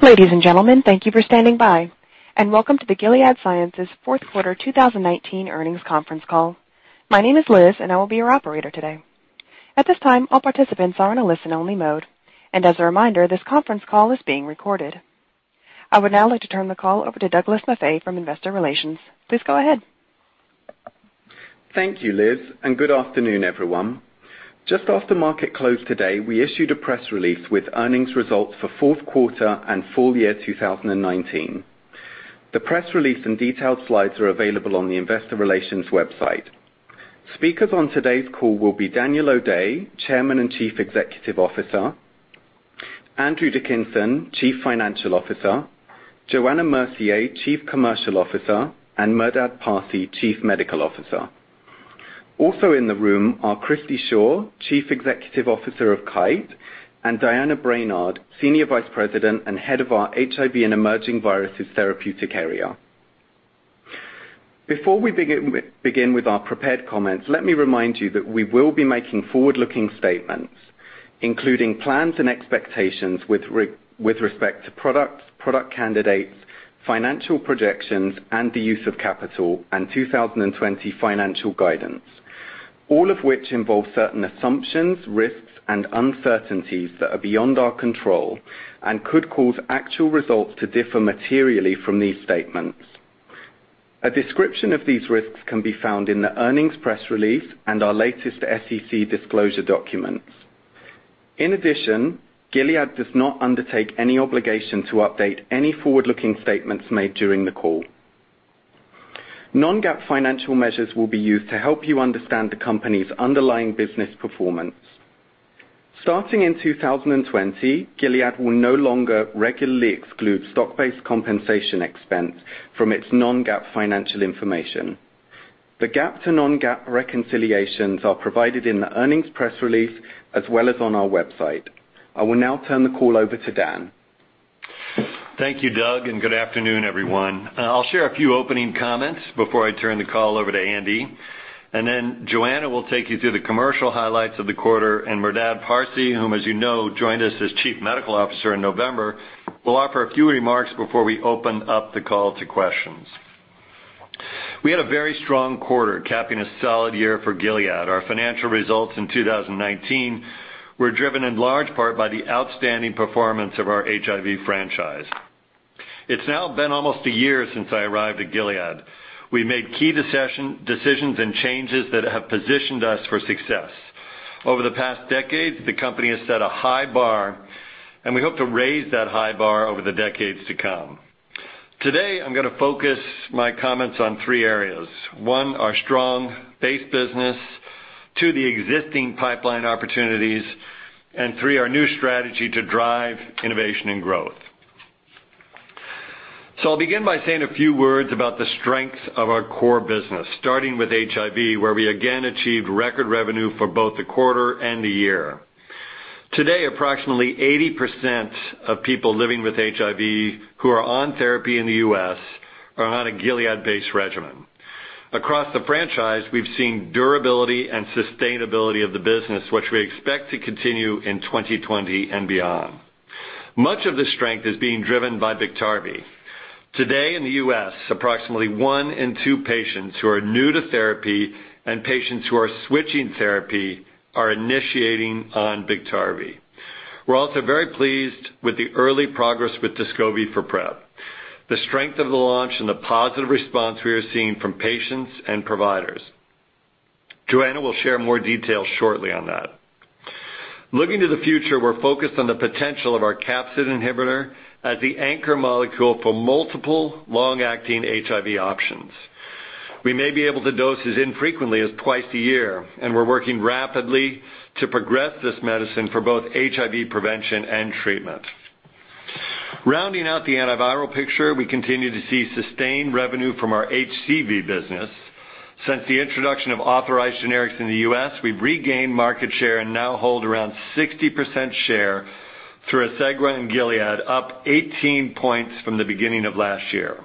Ladies and gentlemen, thank you for standing by and welcome to the Gilead Sciences Fourth Quarter 2019 Earnings Conference Call. My name is Liz, and I will be your operator today. At this time, all participants are in a listen-only mode, and as a reminder, this conference call is being recorded. I would now like to turn the call over to Douglas Maffei from Investor Relations. Please go ahead. Thank you, Liz, and good afternoon, everyone. Just after market close today, we issued a press release with earnings results for the fourth quarter and full year 2019. The press release and detailed slides are available on the investor relations website. Speakers on today's call will be Daniel O'Day, Chairman and Chief Executive Officer, Andrew Dickinson, Chief Financial Officer, Johanna Mercier, Chief Commercial Officer, and Merdad Parsey, Chief Medical Officer. Also in the room are Christi Shaw, Chief Executive Officer of Kite, and Diana Brainard, Senior Vice President and Head of our HIV and Emerging Viral Infections therapeutic area. Before we begin with our prepared comments, let me remind you that we will be making forward-looking statements, including plans and expectations with respect to products, product candidates, financial projections, and the use of capital in 2020 financial guidance, all of which involve certain assumptions, risks, and uncertainties that are beyond our control and could cause actual results to differ materially from these statements. A description of these risks can be found in the earnings press release and our latest SEC disclosure documents. Gilead does not undertake any obligation to update any forward-looking statements made during the call. Non-GAAP financial measures will be used to help you understand the company's underlying business performance. Starting in 2020, Gilead will no longer regularly exclude stock-based compensation expense from its non-GAAP financial information. The GAAP to non-GAAP reconciliations are provided in the earnings press release as well as on our website. I will now turn the call over to Dan. Thank you, Doug. Good afternoon, everyone. I'll share a few opening comments before I turn the call over to Andy. Then Johanna will take you through the commercial highlights of the quarter. Merdad Parsey, who, as you know, joined us as Chief Medical Officer in November, will offer a few remarks before we open up the call to questions. We had a very strong quarter capping a solid year for Gilead. Our financial results in 2019 were driven in large part by the outstanding performance of our HIV franchise. It's now been almost a year since I arrived at Gilead. We made key decisions and changes that have positioned us for success. Over the past decades, the company has set a high bar. We hope to raise that high bar over the decades to come. Today, I'm going to focus my comments on three areas. One, our strong base business. Two, the existing pipeline opportunities, and three, our new strategy to drive innovation and growth. I'll begin by saying a few words about the strengths of our core business, starting with HIV, where we again achieved record revenue for both the quarter and the year. Today, approximately 80% of people living with HIV who are on therapy in the U.S. are on a Gilead-based regimen. Across the franchise, we've seen durability and sustainability of the business, which we expect to continue in 2020 and beyond. Much of the strength is being driven by Biktarvy. Today in the U.S., approximately one in two patients who are new to therapy and patients who are switching therapy are initiating Biktarvy. We're also very pleased with the early progress with Descovy for PrEP, the strength of the launch, and the positive response we are seeing from patients and providers. Johanna will share more details shortly on that. Looking to the future, we're focused on the potential of our capsid inhibitor as the anchor molecule for multiple long-acting HIV options. We may be able to dose as infrequently as twice a year, and we're working rapidly to progress this medicine for both HIV prevention and treatment. Rounding out the antiviral picture, we continue to see sustained revenue from our HCV business. Since the introduction of authorized generics in the U.S., we've regained market share and now hold around 60% share through Asegua and Gilead, up 18 points from the beginning of last year.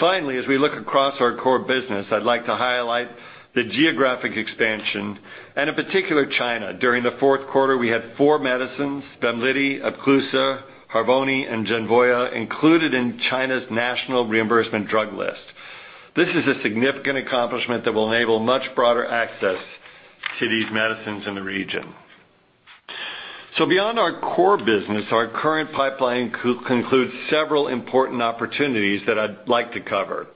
Finally, as we look across our core business, I'd like to highlight the geographic expansion and, in particular, China. During the fourth quarter, we had four medicines, VEMLIDY, EPCLUSA, HARVONI, and Genvoya, included in China's national reimbursement drug list. This is a significant accomplishment that will enable much broader access to these medicines in the region. Beyond our core business, our current pipeline includes several important opportunities that I'd like to cover.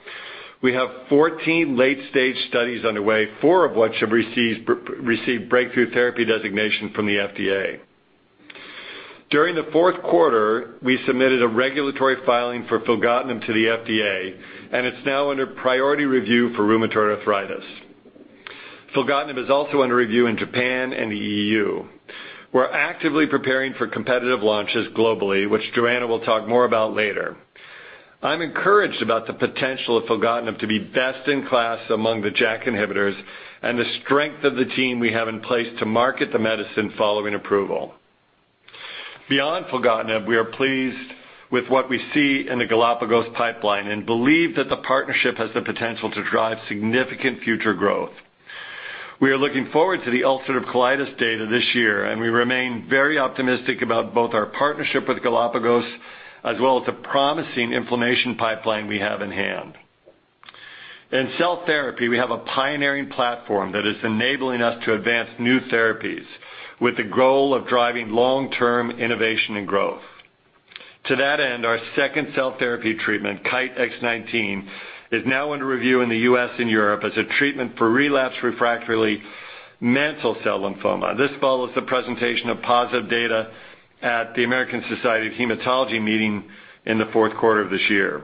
We have 14 late-stage studies underway, four of which have received Breakthrough Therapy Designation from the FDA. During the fourth quarter, we submitted a regulatory filing for filgotinib to the FDA, and it's now under priority review for rheumatoid arthritis. Filgotinib is also under review in Japan and the EU. We're actively preparing for competitive launches globally, which Johanna will talk more about later. I'm encouraged about the potential of filgotinib to be best in class among the JAK inhibitors and the strength of the team we have in place to market the medicine following approval. Beyond filgotinib, we are pleased with what we see in the Galapagos pipeline and believe that the partnership has the potential to drive significant future growth. We are looking forward to the ulcerative colitis data this year. We remain very optimistic about both our partnership with Galapagos and the promising inflammation pipeline we have in hand. In cell therapy, we have a pioneering platform that is enabling us to advance new therapies with the goal of driving long-term innovation and growth. To that end, our second cell therapy treatment, KTE-X19, is now under review in the U.S. and Europe as a treatment for relapse-refractory mantle cell lymphoma. This follows the presentation of positive data at the American Society of Hematology meeting in the fourth quarter of this year.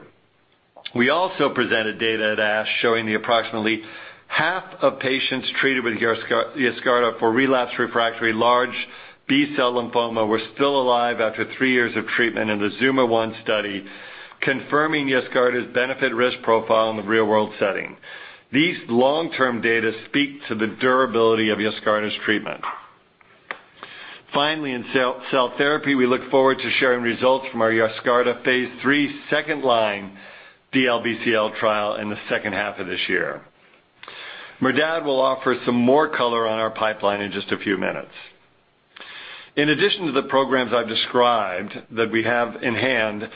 We also presented data at ASH showing approximately half of patients treated with Yescarta for relapse refractory large B-cell lymphoma were still alive after three years of treatment in the ZUMA-1 study, confirming Yescarta's benefit-risk profile in the real-world setting. These long-term data speak to the durability of Yescarta's treatment. Finally, in cell therapy, we look forward to sharing results from our Yescarta phase III second-line DLBCL trial in the second half of this year. Merdad will offer some more color on our pipeline in just a few minutes. In addition to the programs I've described that we have in hand,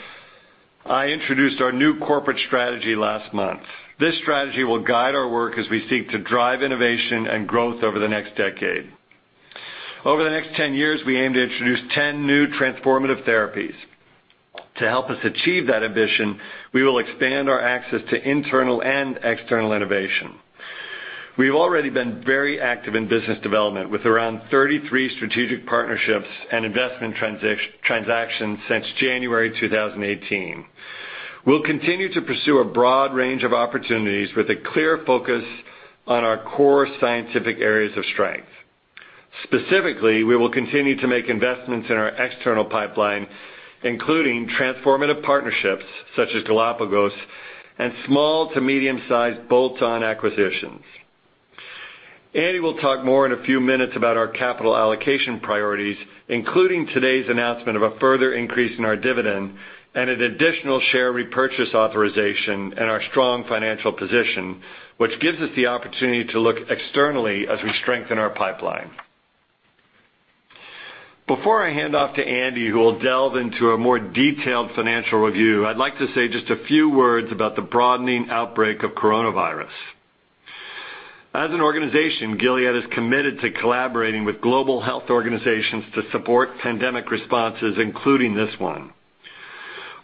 I introduced our new corporate strategy last month. This strategy will guide our work as we seek to drive innovation and growth over the next decade. Over the next 10 years, we aim to introduce 10 new transformative therapies. To help us achieve that ambition, we will expand our access to internal and external innovation. We've already been very active in business development with around 33 strategic partnerships and investment transactions since January 2018. We'll continue to pursue a broad range of opportunities with a clear focus on our core scientific areas of strength. Specifically, we will continue to make investments in our external pipeline, including transformative partnerships such as Galapagos and small- to medium-sized bolt-on acquisitions. Andy will talk more in a few minutes about our capital allocation priorities, including today's announcement of a further increase in our dividend and an additional share repurchase authorization and our strong financial position, which gives us the opportunity to look externally as we strengthen our pipeline. Before I hand off to Andy, who will delve into a more detailed financial review, I'd like to say just a few words about the broadening outbreak of coronavirus. As an organization, Gilead is committed to collaborating with global health organizations to support pandemic responses, including this one.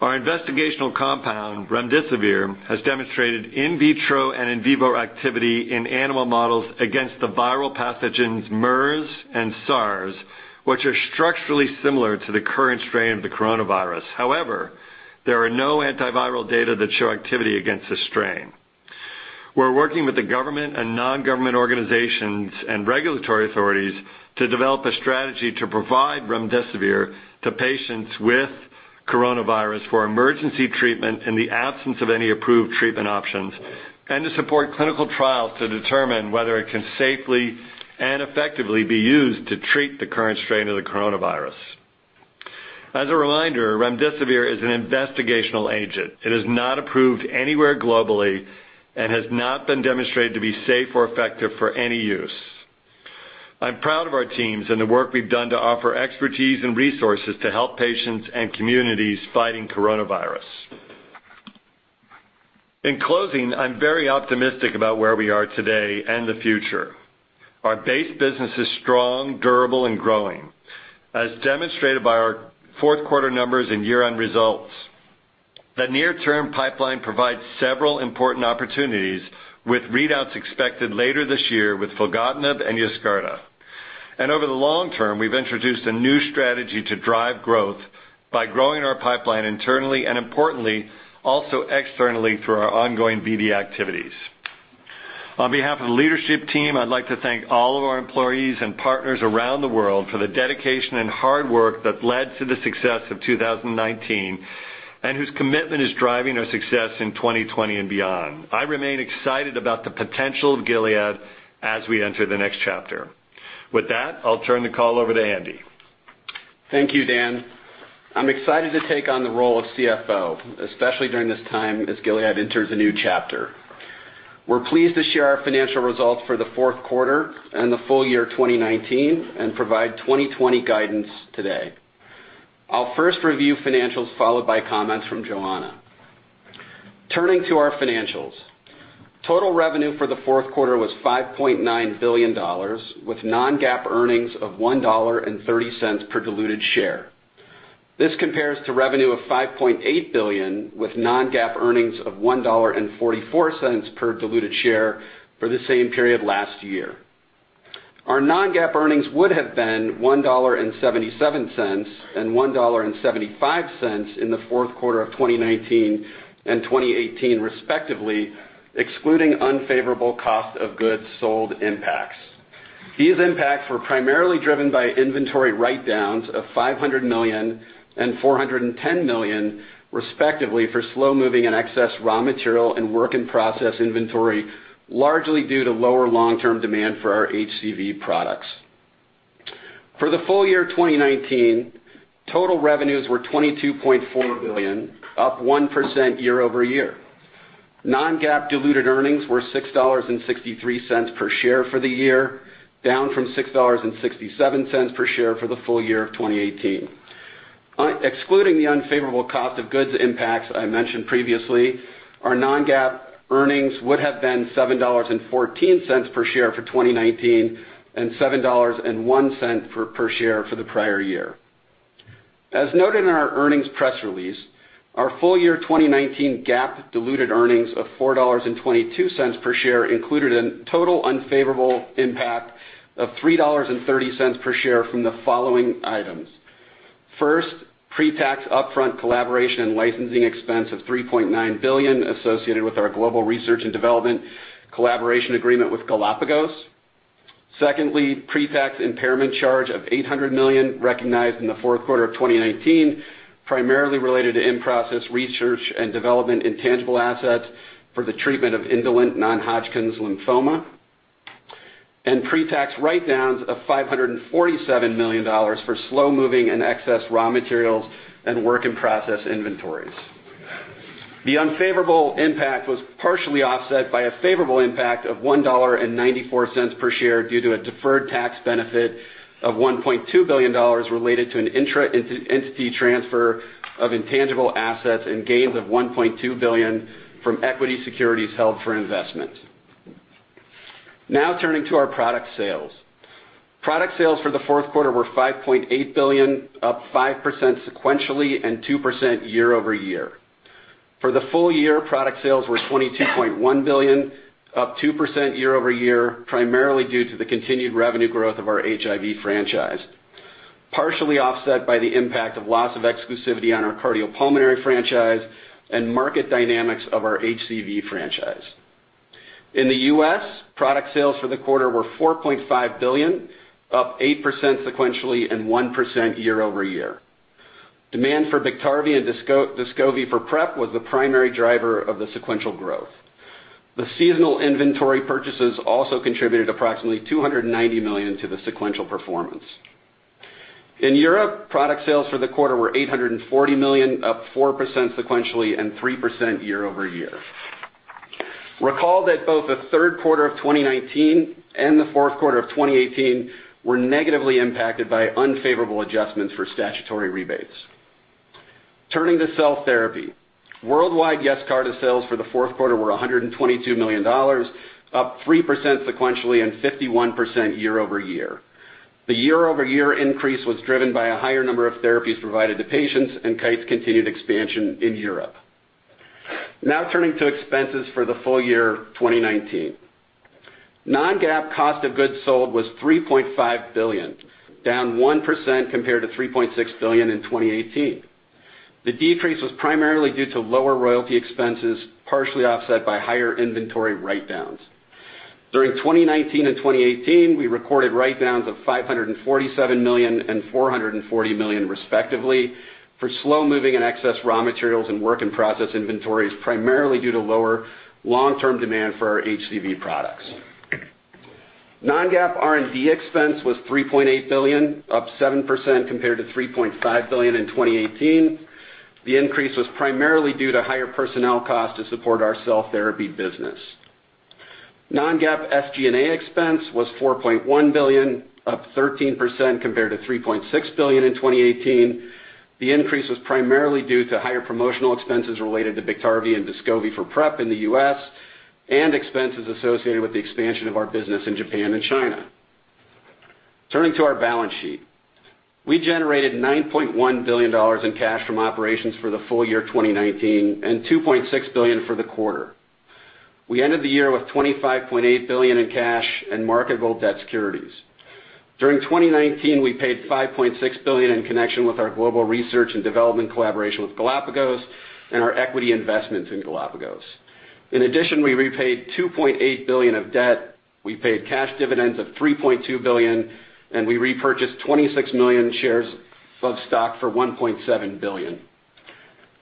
Our investigational compound, remdesivir, has demonstrated in vitro and in vivo activity in animal models against the viral pathogens MERS and SARS, which are structurally similar to the current strain of the coronavirus. There are no antiviral data that show activity against this strain. We're working with the government and Non-Government Organizations and regulatory authorities to develop a strategy to provide remdesivir to patients with coronavirus for emergency treatment in the absence of any approved treatment options and to support clinical trials to determine whether it can safely and effectively be used to treat the current strain of the coronavirus. As a reminder, remdesivir is an investigational agent. It is not approved anywhere globally and has not been demonstrated to be safe or effective for any use. I'm proud of our teams and the work we've done to offer expertise and resources to help patients and communities fighting coronavirus. In closing, I'm very optimistic about where we are today and the future. Our base business is strong, durable, and growing, as demonstrated by our fourth quarter numbers and year-end results. The near-term pipeline provides several important opportunities with readouts expected later this year with filgotinib and Yescarta. Over the long term, we've introduced a new strategy to drive growth by growing our pipeline internally and, importantly, also externally through our ongoing BD activities. On behalf of the leadership team, I'd like to thank all of our employees and partners around the world for the dedication and hard work that led to the success of 2019 and whose commitment is driving our success in 2020 and beyond. I remain excited about the potential of Gilead as we enter the next chapter. With that, I'll turn the call over to Andy. Thank you, Dan. I'm excited to take on the role of CFO, especially during this time as Gilead enters a new chapter. We're pleased to share our financial results for the fourth quarter and the full year 2019 and provide 2020 guidance today. I'll first review financials, followed by comments from Johanna. Turning to our financials. Total revenue for the fourth quarter was $5.9 billion with non-GAAP earnings of $1.30 per diluted share. This compares to revenue of $5.8 billion with non-GAAP earnings of $1.44 per diluted share for the same period last year. Our non-GAAP earnings would have been $1.77 and $1.75 in the fourth quarter of 2019 and 2018 respectively, excluding unfavorable cost of goods sold impacts. These impacts were primarily driven by inventory write-downs of $500 million and $410 million, respectively, for slow-moving and excess raw material and work-in-process inventory, largely due to lower long-term demand for our HCV products. For the full year 2019, total revenues were $22.4 billion, up 1% year-over-year. Non-GAAP diluted earnings were $6.63 per share for the year, down from $6.67 per share for the full year of 2018. Excluding the unfavorable cost of goods impacts I mentioned previously, our non-GAAP earnings would have been $7.14 per share for 2019, and $7.01 per share for the prior year. As noted in our earnings press release, our full year 2019 GAAP diluted earnings of $4.22 per share included a total unfavorable impact of $3.30 per share from the following items. First, the pre-tax upfront collaboration and licensing expense of $3.9 billion is associated with our global research and development collaboration agreement with Galapagos. Secondly, pre-tax impairment charge of $800 million was recognized in the fourth quarter of 2019, primarily related to in-process research and development intangible assets for the treatment of indolent non-Hodgkin's lymphoma. Pre-tax write-downs of $547 million for slow-moving and excess raw materials and work-in-process inventories. The unfavorable impact was partially offset by a favorable impact of $1.94 per share due to a deferred tax benefit of $1.2 billion related to an intra-entity transfer of intangible assets and gains of $1.2 billion from equity securities held for investment. Turning to our product sales. Product sales for the fourth quarter were $5.8 billion, up 5% sequentially and 2% year-over-year. For the full year, product sales were $22.1 billion, up 2% year-over-year, primarily due to the continued revenue growth of our HIV franchise, partially offset by the impact of loss of exclusivity on our cardiopulmonary franchise and market dynamics of our HCV franchise. In the U.S., product sales for the quarter were $4.5 billion, up 8% sequentially and 1% year-over-year. Demand for Biktarvy and Descovy for PrEP was the primary driver of the sequential growth. The seasonal inventory purchases also contributed approximately $290 million to the sequential performance. In Europe, product sales for the quarter were $840 million, up 4% sequentially and 3% year-over-year. Recall that both the third quarter of 2019 and the fourth quarter of 2018 were negatively impacted by unfavorable adjustments for statutory rebates. Turning to cell therapy. Worldwide Yescarta sales for the fourth quarter were $122 million, up 3% sequentially and 51% year-over-year. The year-over-year increase was driven by a higher number of therapies provided to patients and KTE's continued expansion in Europe. Now turning to expenses for the full year 2019. Non-GAAP cost of goods sold was $3.5 billion, down 1% compared to $3.6 billion in 2018. The decrease was primarily due to lower royalty expenses, partially offset by higher inventory write-downs. During 2019 and 2018, we recorded write-downs of $547 million and $440 million, respectively, for slow-moving and excess raw materials and work in process inventories, primarily due to lower long-term demand for our HCV products. Non-GAAP R&D expense was $3.8 billion, up 7% compared to $3.5 billion in 2018. The increase was primarily due to higher personnel costs to support our cell therapy business. Non-GAAP SG&A expense was $4.1 billion, up 13% compared to $3.6 billion in 2018. The increase was primarily due to higher promotional expenses related to Biktarvy and Descovy for PrEP in the U.S., and expenses associated with the expansion of our business in Japan and China. Turning to our balance sheet. We generated $9.1 billion in cash from operations for the full year 2019, and $2.6 billion for the quarter. We ended the year with $25.8 billion in cash and marketable debt securities. During 2019, we paid $5.6 billion in connection with our global research and development collaboration with Galapagos and our equity investment in Galapagos. We repaid $2.8 billion of debt, we paid cash dividends of $3.2 billion, and we repurchased 26 million shares of stock for $1.7 billion.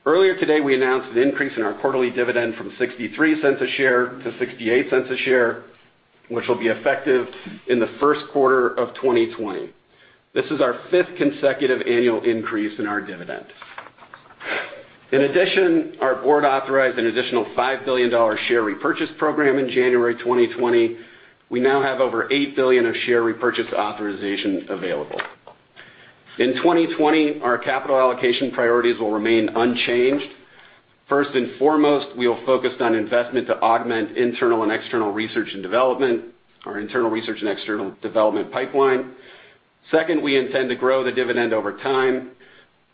Earlier today, we announced an increase in our quarterly dividend from $0.63 a share to $0.68 a share, which will be effective in the first quarter of 2020. This is our fifth consecutive annual increase in our dividend. In addition, our board authorized an additional $5 billion share repurchase program in January 2020. We now have over $8 billion of share repurchase authorization available. In 2020, our capital allocation priorities will remain unchanged. First and foremost, we are focused on investment to augment internal and external research and development, our internal research and external development pipeline. Second, we intend to grow the dividend over time,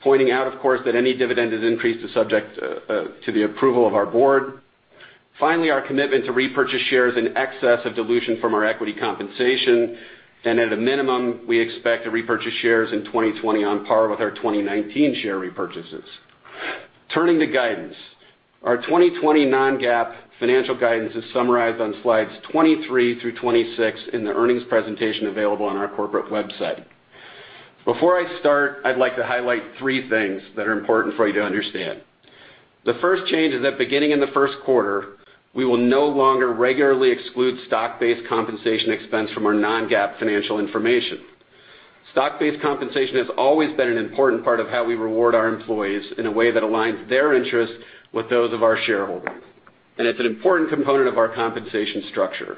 pointing out, of course, that any dividend is increased to the approval of our board. Finally, our commitment to repurchase shares in excess of dilution from our equity compensation. At a minimum, we expect to repurchase shares in 2020 on par with our 2019 share repurchases. Turning to guidance. Our 2020 non-GAAP financial guidance is summarized on slides 23 through 26 in the earnings presentation available on our corporate website. Before I start, I'd like to highlight three things that are important for you to understand. The first change is that beginning in the first quarter, we will no longer regularly exclude stock-based compensation expense from our non-GAAP financial information. Stock-based compensation has always been an important part of how we reward our employees in a way that aligns their interests with those of our shareholders. It's an important component of our compensation structure.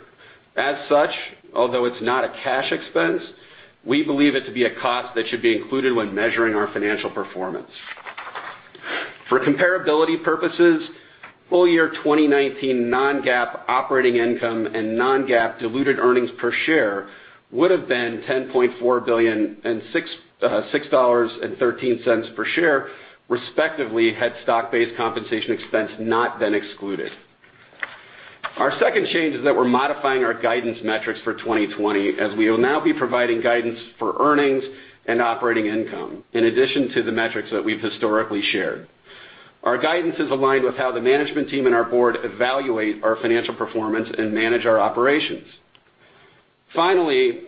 As such, although it's not a cash expense, we believe it to be a cost that should be included when measuring our financial performance. For comparability purposes, full year 2019 non-GAAP operating income and non-GAAP diluted earnings per share would have been $10.4 billion and $6.13 per share, respectively, had stock-based compensation expense not been excluded. Our second change is that we're modifying our guidance metrics for 2020, as we will now be providing guidance for earnings and operating income, in addition to the metrics that we've historically shared. Our guidance is aligned with how the management team and our board evaluate our financial performance and manage our operations. Finally,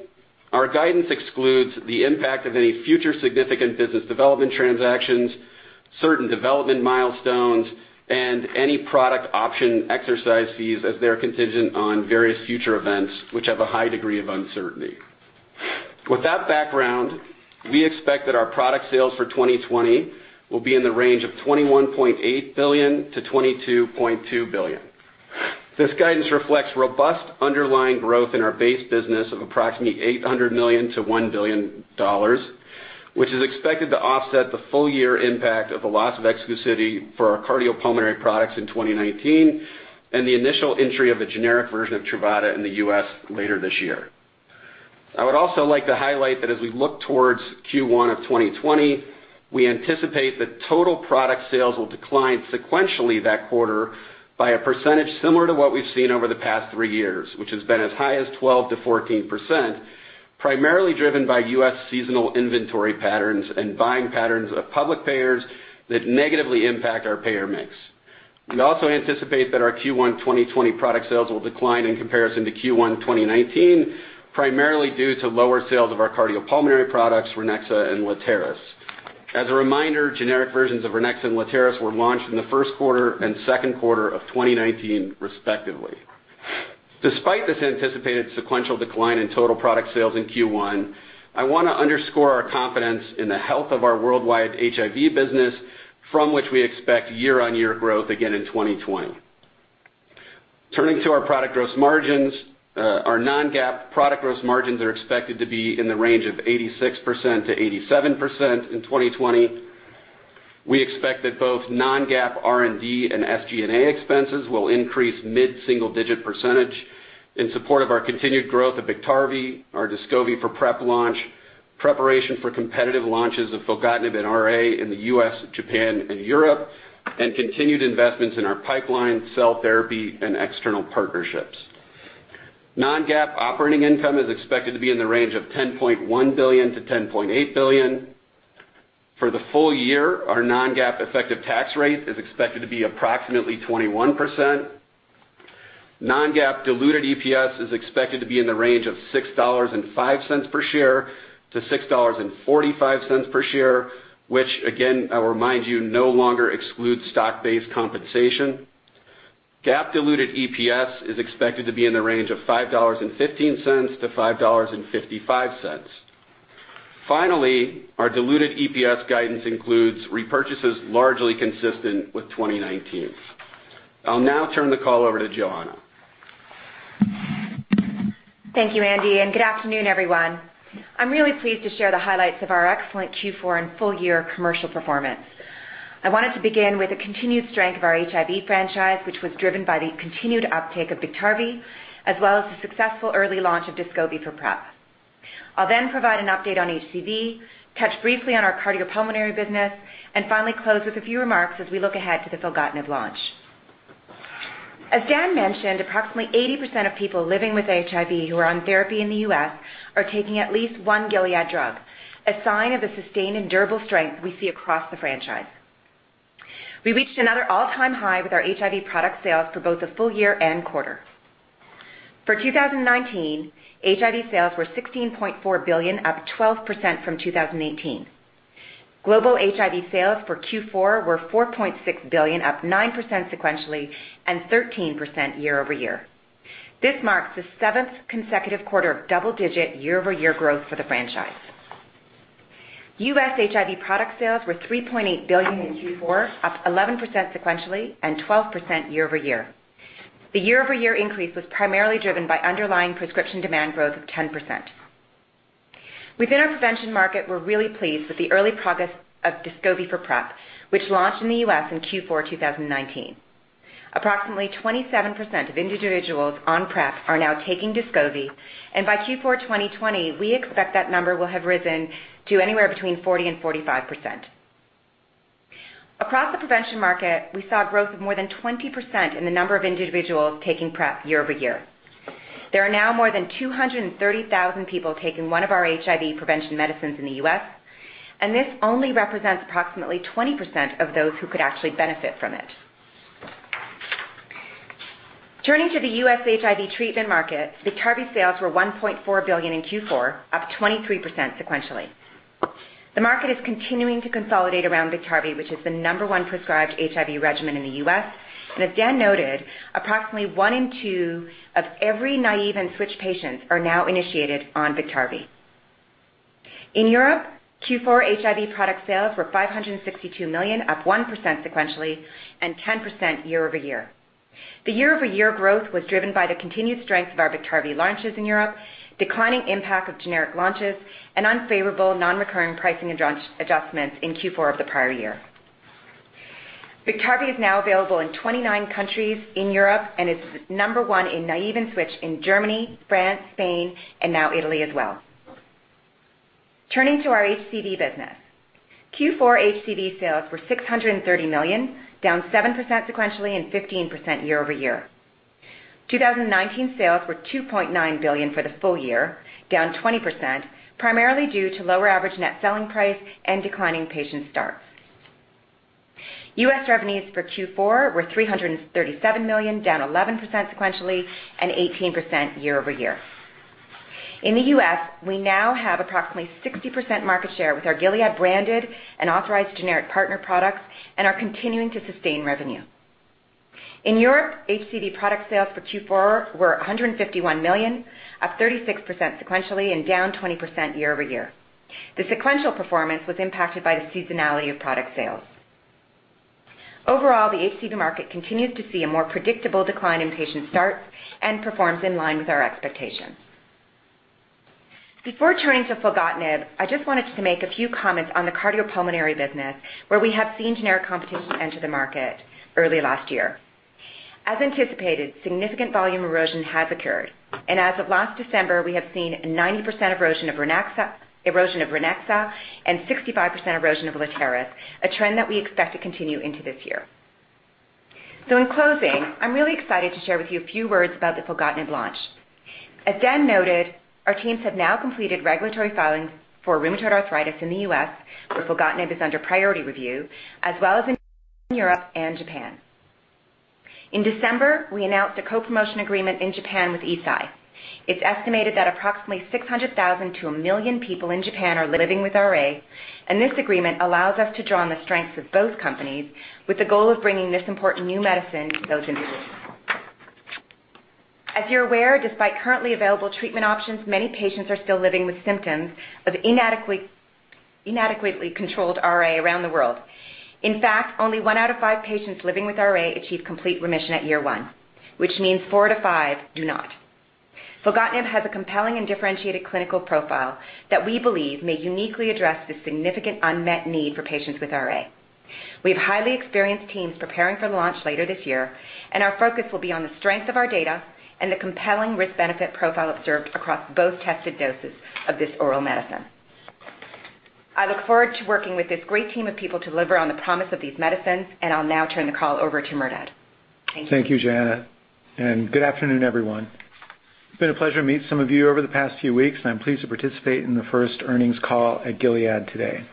our guidance excludes the impact of any future significant business development transactions, certain development milestones, and any product option exercise fees, as they're contingent on various future events, which have a high degree of uncertainty. With that background, we expect that our product sales for 2020 will be in the range of $21.8 billion-$22.2 billion. This guidance reflects robust underlying growth in our base business of approximately $800 million-$1 billion, which is expected to offset the full-year impact of the loss of exclusivity for our cardiopulmonary products in 2019, and the initial entry of a generic version of Truvada in the U.S. later this year. I would also like to highlight that as we look towards Q1 2020, we anticipate that total product sales will decline sequentially that quarter by a percentage similar to what we've seen over the past three years, which has been as high as 12%-14%, primarily driven by U.S. seasonal inventory patterns and buying patterns of public payers that negatively impact our payer mix. We also anticipate that our Q1 2020 product sales will decline in comparison to Q1 2019, primarily due to lower sales of our cardiopulmonary products, Ranexa and Letairis. As a reminder, generic versions of Ranexa and Letairis were launched in the first quarter and second quarter of 2019, respectively. Despite this anticipated sequential decline in total product sales in Q1, I want to underscore our confidence in the health of our worldwide HIV business, from which we expect year-on-year growth again in 2020. Turning to our product gross margins, our non-GAAP product gross margins are expected to be in the range of 86%-87% in 2020. We expect that both non-GAAP R&D and SG&A expenses will increase by a mid-single-digit percentage in support of our continued growth of Biktarvy, our Descovy for PrEP launch, preparation for competitive launches of filgotinib and RA in the U.S., Japan, and Europe, and continued investments in our pipeline, cell therapy, and external partnerships. Non-GAAP operating income is expected to be in the range of $10.1 billion-$10.8 billion. For the full year, our non-GAAP effective tax rate is expected to be approximately 21%. Non-GAAP diluted EPS is expected to be in the range of $6.05 per share to $6.45 per share, which again, I'll remind you, no longer excludes stock-based compensation. GAAP diluted EPS is expected to be in the range of $5.15-$5.55. Finally, our diluted EPS guidance includes repurchases largely consistent with 2019. I'll now turn the call over to Johanna. Thank you, Andy. Good afternoon, everyone. I'm really pleased to share the highlights of our excellent Q4 and full-year commercial performance. I wanted to begin with the continued strength of our HIV franchise, which was driven by the continued uptake of Biktarvy, as well as the successful early launch of Descovy for PrEP. I'll then provide an update on HCV, touch briefly on our cardiopulmonary business, and finally close with a few remarks as we look ahead to the filgotinib launch. As Dan mentioned, approximately 80% of people living with HIV who are on therapy in the U.S. are taking at least one Gilead drug, a sign of the sustained and durable strength we see across the franchise. We reached another all-time high with our HIV product sales for both the full year and quarter. For 2019, HIV sales were $16.4 billion, up 12% from 2018. Global HIV sales for Q4 were $4.6 billion, up 9% sequentially and 13% year-over-year. This marks the seventh consecutive quarter of double-digit year-over-year growth for the franchise. U.S. HIV product sales were $3.8 billion in Q4, up 11% sequentially and 12% year-over-year. The year-over-year increase was primarily driven by underlying prescription demand growth of 10%. Within our prevention market, we're really pleased with the early progress of Descovy for PrEP, which launched in the U.S. in Q4 2019. Approximately 27% of individuals on PrEP are now taking Descovy, and by Q4 2020, we expect that number will have risen to anywhere between 40% and 45%. Across the prevention market, we saw growth of more than 20% in the number of individuals taking PrEP year-over-year. There are now more than 230,000 people taking one of our HIV prevention medicines in the U.S., and this only represents approximately 20% of those who could actually benefit from it. Turning to the U.S. HIV treatment market, Biktarvy sales were $1.4 billion in Q4, up 23% sequentially. The market is continuing to consolidate around Biktarvy, which is the number one prescribed HIV regimen in the U.S. and as Dan noted, approximately one in two of every naive and switch patients are now initiated on Biktarvy. In Europe, Q4 HIV product sales were $562 million, up 1% sequentially and 10% year-over-year. The year-over-year growth was driven by the continued strength of our Biktarvy launches in Europe, the declining impact of generic launches, and unfavorable non-recurring pricing adjustments in Q4 of the prior year. Biktarvy is now available in 29 countries in Europe and is number one in naive and switch in Germany, France, Spain, and now Italy as well. Turning to our HCV business. Q4 HCV sales were $630 million, down 7% sequentially and 15% year-over-year. 2019 sales were $2.9 billion for the full year, down 20%, primarily due to lower average net selling price and declining patient starts. U.S. revenues for Q4 were $337 million, down 11% sequentially and 18% year-over-year. In the U.S., we now have approximately 60% market share with our Gilead branded and authorized generic partner products and are continuing to sustain revenue. In Europe, HCV product sales for Q4 were $151 million, up 36% sequentially and down 20% year-over-year. The sequential performance was impacted by the seasonality of product sales. Overall, the HCV market continues to see a more predictable decline in patient starts and performs in line with our expectations. Before turning to filgotinib, I just wanted to make a few comments on the cardiopulmonary business, where we saw generic competition enter the market early last year. As anticipated, significant volume erosion has occurred, and as of last December, we have seen 90% erosion of Ranexa and 65% erosion of Letairis, a trend that we expect to continue into this year. In closing, I'm really excited to share with you a few words about the filgotinib launch. As Dan noted, our teams have now completed regulatory filings for Rheumatoid Arthritis in the U.S., where filgotinib is under priority review, as well as in Europe and Japan. In December, we announced a co-promotion agreement in Japan with Eisai. It's estimated that approximately 600,000 to a million people in Japan are living with RA, and this agreement allows us to draw on the strengths of both companies with the goal of bringing this important new medicine to those individuals. As you're aware, despite currently available treatment options, many patients are still living with symptoms of inadequately controlled RA around the world. In fact, only one out of five patients living with RA achieves complete remission at year one, which means four to five do not. filgotinib has a compelling and differentiated clinical profile that we believe may uniquely address the significant unmet need for patients with RA. We have highly experienced teams preparing for launch later this year, and our focus will be on the strength of our data and the compelling risk-benefit profile observed across both tested doses of this oral medicine. I look forward to working with this great team of people to deliver on the promise of these medicines, and I'll now turn the call over to Merdad. Thank you. Thank you, Johanna. Good afternoon, everyone. It's been a pleasure to meet some of you over the past few weeks. I'm pleased to participate in the first earnings call at Gilead today.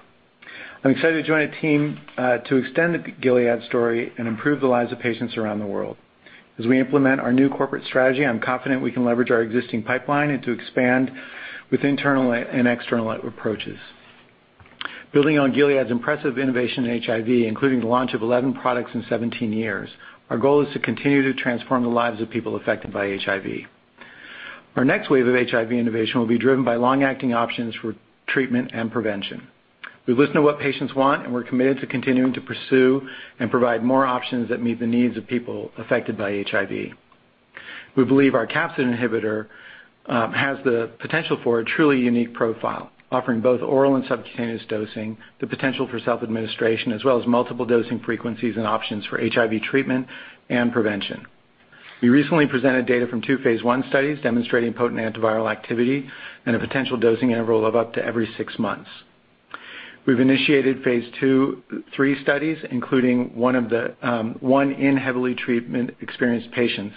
I'm excited to join a team to extend the Gilead story and improve the lives of patients around the world. As we implement our new corporate strategy, I'm confident we can leverage our existing pipeline and expand with internal and external approaches. Building on Gilead's impressive innovation in HIV, including the launch of 11 products in 17 years, our goal is to continue to transform the lives of people affected by HIV. Our next wave of HIV innovation will be driven by long-acting options for treatment and prevention. We listen to what patients want. We're committed to continuing to pursue and provide more options that meet the needs of people affected by HIV. We believe our capsid inhibitor has the potential for a truly unique profile, offering both oral and subcutaneous dosing and the potential for self-administration, as well as multiple dosing frequencies and options for HIV treatment and prevention. We recently presented data from two phase I studies demonstrating potent antiviral activity and a potential dosing interval of up to every six months. We've initiated phase II/III studies, including one in heavily treatment-experienced patients,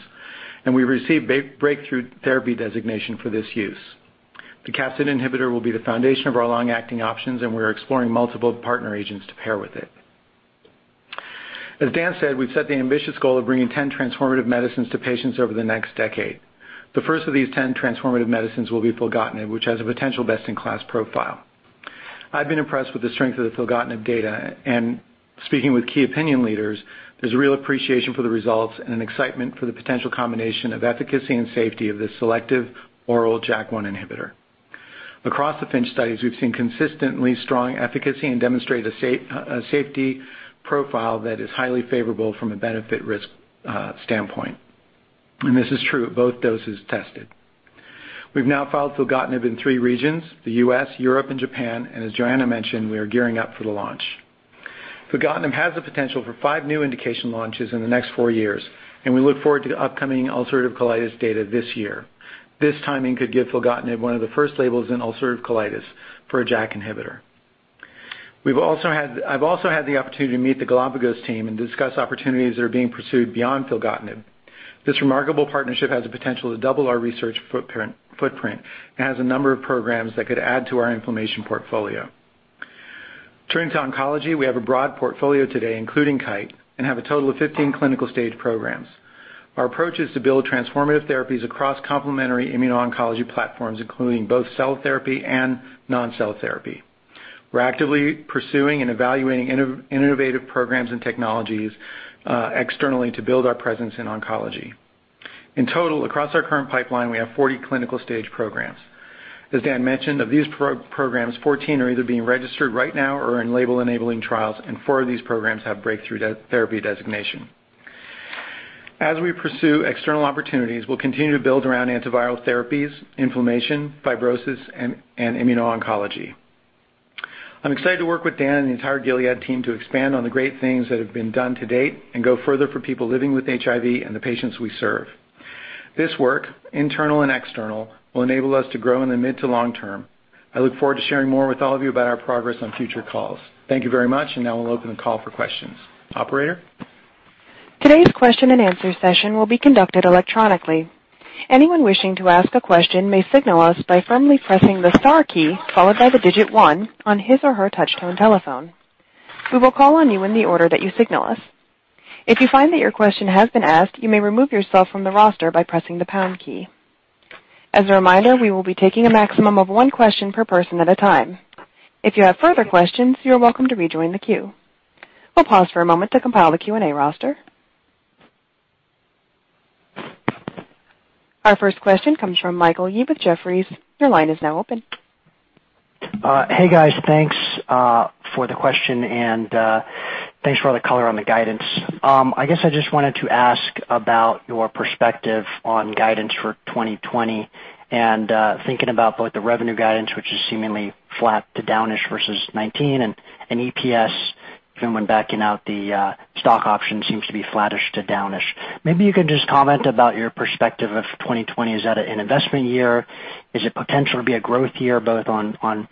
and we received Breakthrough Therapy designation for this use. The capsid inhibitor will be the foundation of our long-acting options. We are exploring multiple partner agents to pair with it. As Dan said, we've set the ambitious goal of bringing 10 transformative medicines to patients over the next decade. The first of these 10 transformative medicines will be filgotinib, which has a potential best-in-class profile. I've been impressed with the strength of the filgotinib data, and speaking with key opinion leaders, there's a real appreciation for the results and an excitement for the potential combination of efficacy and safety of this selective oral JAK1 inhibitor. Across the FINCH studies, we've seen consistently strong efficacy and demonstrated a safety profile that is highly favorable from a benefit risk standpoint. This is true at both doses tested. We've now filed filgotinib in three regions, the U.S., Europe, and Japan. As Johanna mentioned, we are gearing up for the launch. Filgotinib has the potential for five new indication launches in the next four years, and we look forward to upcoming ulcerative colitis data this year. This timing could give filgotinib one of the first labels in ulcerative colitis for a JAK inhibitor. I've also had the opportunity to meet the Galapagos team and discuss opportunities that are being pursued beyond filgotinib. This remarkable partnership has the potential to double our research footprint and has a number of programs that could add to our inflammation portfolio. Turning to oncology, we have a broad portfolio today, including Kite, and have a total of 15 clinical-stage programs. Our approach is to build transformative therapies across complementary immuno-oncology platforms, including both cell therapy and non-cell therapy. We're actively pursuing and evaluating innovative programs and technologies externally to build our presence in oncology. In total, across our current pipeline, we have 40 clinical-stage programs. As Dan mentioned, of these programs, 14 are either being registered right now or are in label-enabling trials, and four of these programs have Breakthrough Therapy designation. As we pursue external opportunities, we'll continue to build around antiviral therapies, inflammation, fibrosis, and immuno-oncology. I'm excited to work with Dan and the entire Gilead team to expand on the great things that have been done to date and go further for people living with HIV and the patients we serve. This work, internal and external, will enable us to grow in the mid- to long-term. I look forward to sharing more with all of you about our progress on future calls. Thank you very much, and now we'll open the call for questions. Operator? Today's question-and-answer session will be conducted electronically. Anyone wishing to ask a question may signal us by firmly pressing the star key followed by the digit one on his or her touch-tone telephone. We will call on you in the order that you signal us. If you find that your question has been asked, you may remove yourself from the roster by pressing the pound key. As a reminder, we will be taking a maximum of one question per person at a time. If you have further questions, you are welcome to rejoin the queue. We'll pause for a moment to compile the Q&A roster. Our first question comes from Michael Yee with Jefferies. Your line is now open. Hey, guys. Thanks for the question, and thanks for all the color on the guidance. I guess I just wanted to ask about your perspective on guidance for 2020 and thinking about both the revenue guidance, which is seemingly flat to downish versus 2019, and EPS, even when backing out the stock options, seems to be flattish to downish. Maybe you could just comment about your perspective of 2020. Is that an investment year? Is it potential to be a growth year both in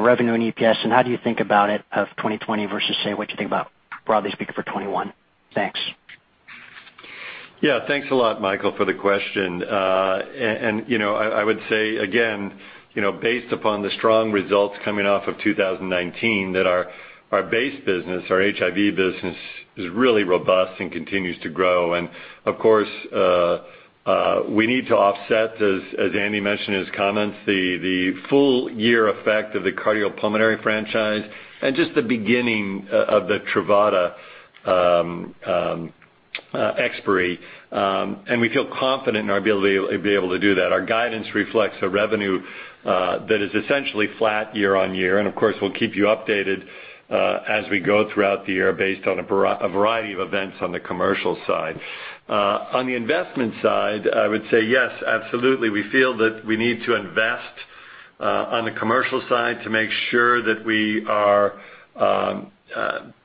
revenue and EPS? How do you think about it in 2020 versus, say, what you think about broadly speaking for 2021? Thanks. Yeah. Thanks a lot, Michael, for the question. I would say, again, based upon the strong results coming off of 2019, that our base business, our HIV business, is really robust and continues to grow. Of course, we need to offset, as Andy mentioned in his comments, the full-year effect of the cardiopulmonary franchise and just the beginning of the Truvada expiry. We feel confident in our ability to be able to do that. Our guidance reflects a revenue that is essentially flat year-on-year, and of course, we'll keep you updated as we go throughout the year based on a variety of events on the commercial side. On the investment side, I would say yes, absolutely. We feel that we need to invest on the commercial side to make sure that we are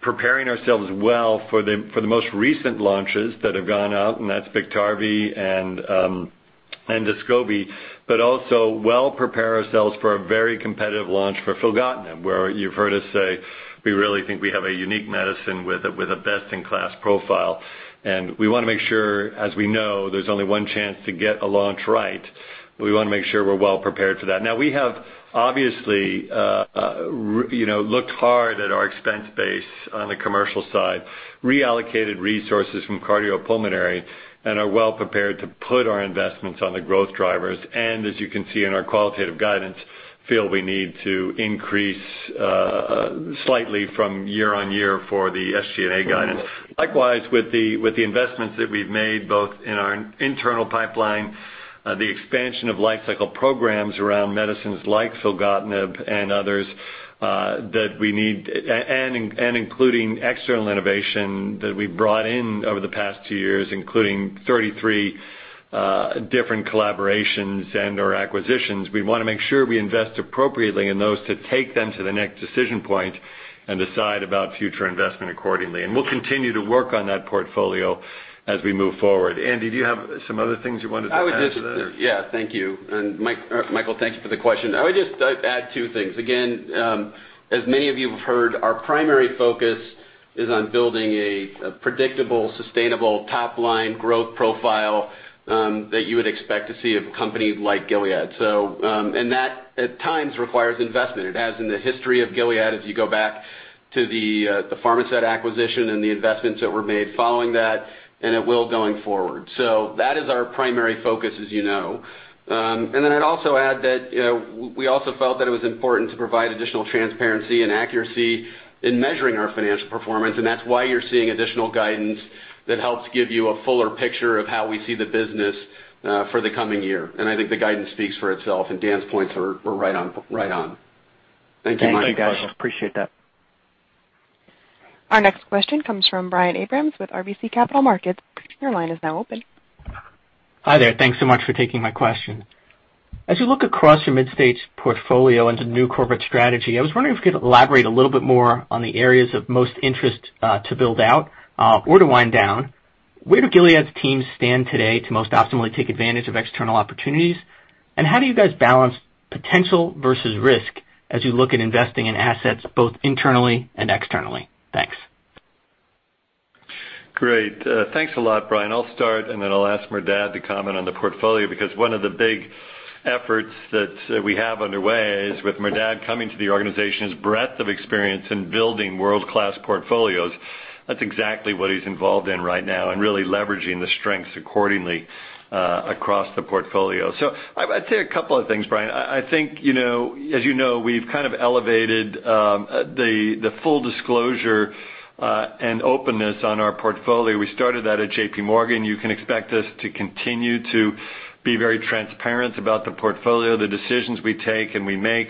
preparing ourselves well for the most recent launches that have gone out, and those are Biktarvy and Descovy, but also prepare ourselves well for a very competitive launch for filgotinib, where you've heard us say we really think we have a unique medicine with a best-in-class profile, and we want to make sure, as we know, there's only one chance to get a launch right. We want to make sure we're well prepared for that. We have obviously looked hard at our expense base on the commercial side, reallocated resources from cardiopulmonary, and are well prepared to put our investments in the growth drivers, and as you can see in our qualitative guidance, feel we need to increase slightly year-on-year for the SG&A guidance. Likewise, with the investments that we've made, both in our internal pipeline and in the expansion of life cycle programs around medicines like filgotinib and others that we need, and including external innovation that we've brought in over the past two years, including 33 different collaborations and/or acquisitions. We want to make sure we invest appropriately in those to take them to the next decision point and decide about future investment accordingly. We'll continue to work on that portfolio as we move forward. Andy, did you have some other things you wanted to add to that? Yeah. Thank you. Michael, thank you for the question. I would just add two things. Again, as many of you have heard, our primary focus is on building a predictable, sustainable, top-line growth profile that you would expect to see of a company like Gilead. That, at times, requires investment. It has in the history of Gilead as you go back to the Pharmasset acquisition and the investments that were made following that, and it will going forward. That is our primary focus, as you know. I'd also add that we also felt that it was important to provide additional transparency and accuracy in measuring our financial performance, and that's why you're seeing additional guidance that helps give you a fuller picture of how we see the business for the coming year. I think the guidance speaks for itself, and Dan's points were right on. Thank you, Michael. Thank you, guys. Appreciate that. Our next question comes from Brian Abrahams with RBC Capital Markets. Your line is now open. Hi there. Thanks so much for taking my question. As you look across your mid-stage portfolio into new corporate strategy, I was wondering if you could elaborate a little bit more on the areas of most interest to build out or wind down. Where do Gilead's teams stand today to most optimally take advantage of external opportunities, and how do you guys balance potential versus risk as you look at investing in assets both internally and externally? Thanks. Great. Thanks a lot, Brian. I'll start, and then I'll ask Merdad to comment on the portfolio, because one of the big efforts that we have underway is with Merdad coming to the organization and his breadth of experience in building world-class portfolios. That's exactly what he's involved in right now and really leveraging the strengths accordingly across the portfolio. I'd say a couple of things, Brian. I think, as you know, we've kind of elevated the full disclosure and openness on our portfolio. We started that at J.P. Morgan. You can expect us to continue to be very transparent about the portfolio and the decisions we take and we make.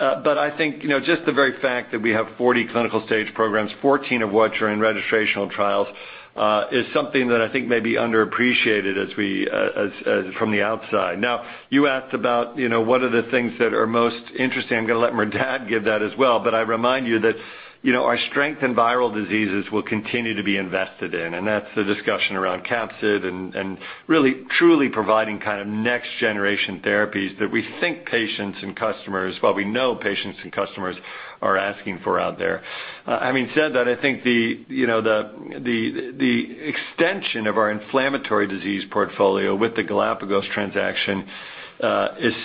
I think just the very fact that we have 40 clinical stage programs, 14 of which are in registrational trials, is something that I think may be underappreciated from the outside. You asked about what the things that are most interesting are. I'm going to let Merdad give that as well, but I remind you that our strength in viral diseases will continue to be invested in, and that's the discussion around capsid and really truly providing next-generation therapies that we think patients and customers, well, we know patients and customers are asking for out there. Having said that, I think the extension of our inflammatory disease portfolio with the Galapagos transaction is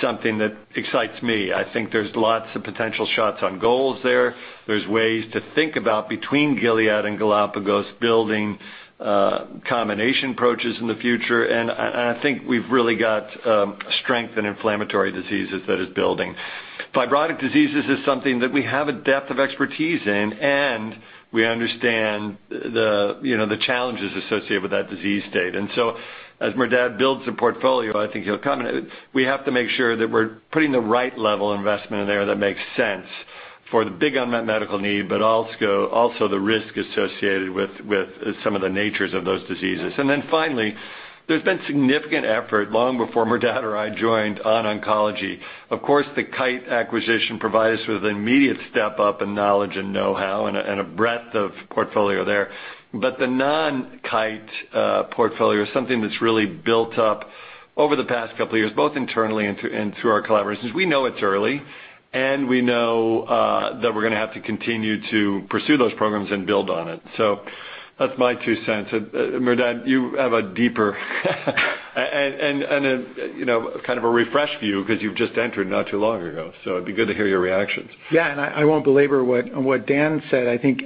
something that excites me. I think there are lots of potential shots on goal there. There are ways to think about Gilead and Galapagos building combination approaches in the future. I think we've really got strength in inflammatory diseases that are building. Fibrotic diseases are something that we have a depth of expertise in, and we understand the challenges associated with that disease state. As Merdad builds the portfolio, I think he'll comment, we have to make sure that we're putting the right level of investment in there that makes sense for the big unmet medical need but also the risk associated with some of the natures of those diseases. Finally, there's been significant effort long before Merdad or I joined in oncology. Of course, the Kite acquisition provided us with an immediate step up in knowledge and know-how and a breadth of portfolio. The non-Kite portfolio is something that's really built up over the past couple of years, both internally and through our collaborations. We know it's early, and we know that we're going to have to continue to pursue those programs and build on it. That's my two cents' worth. Merdad, you have a deeper and kind of a fresher view because you've just entered not too long ago, so it'd be good to hear your reactions. I won't belabor what Dan said. I think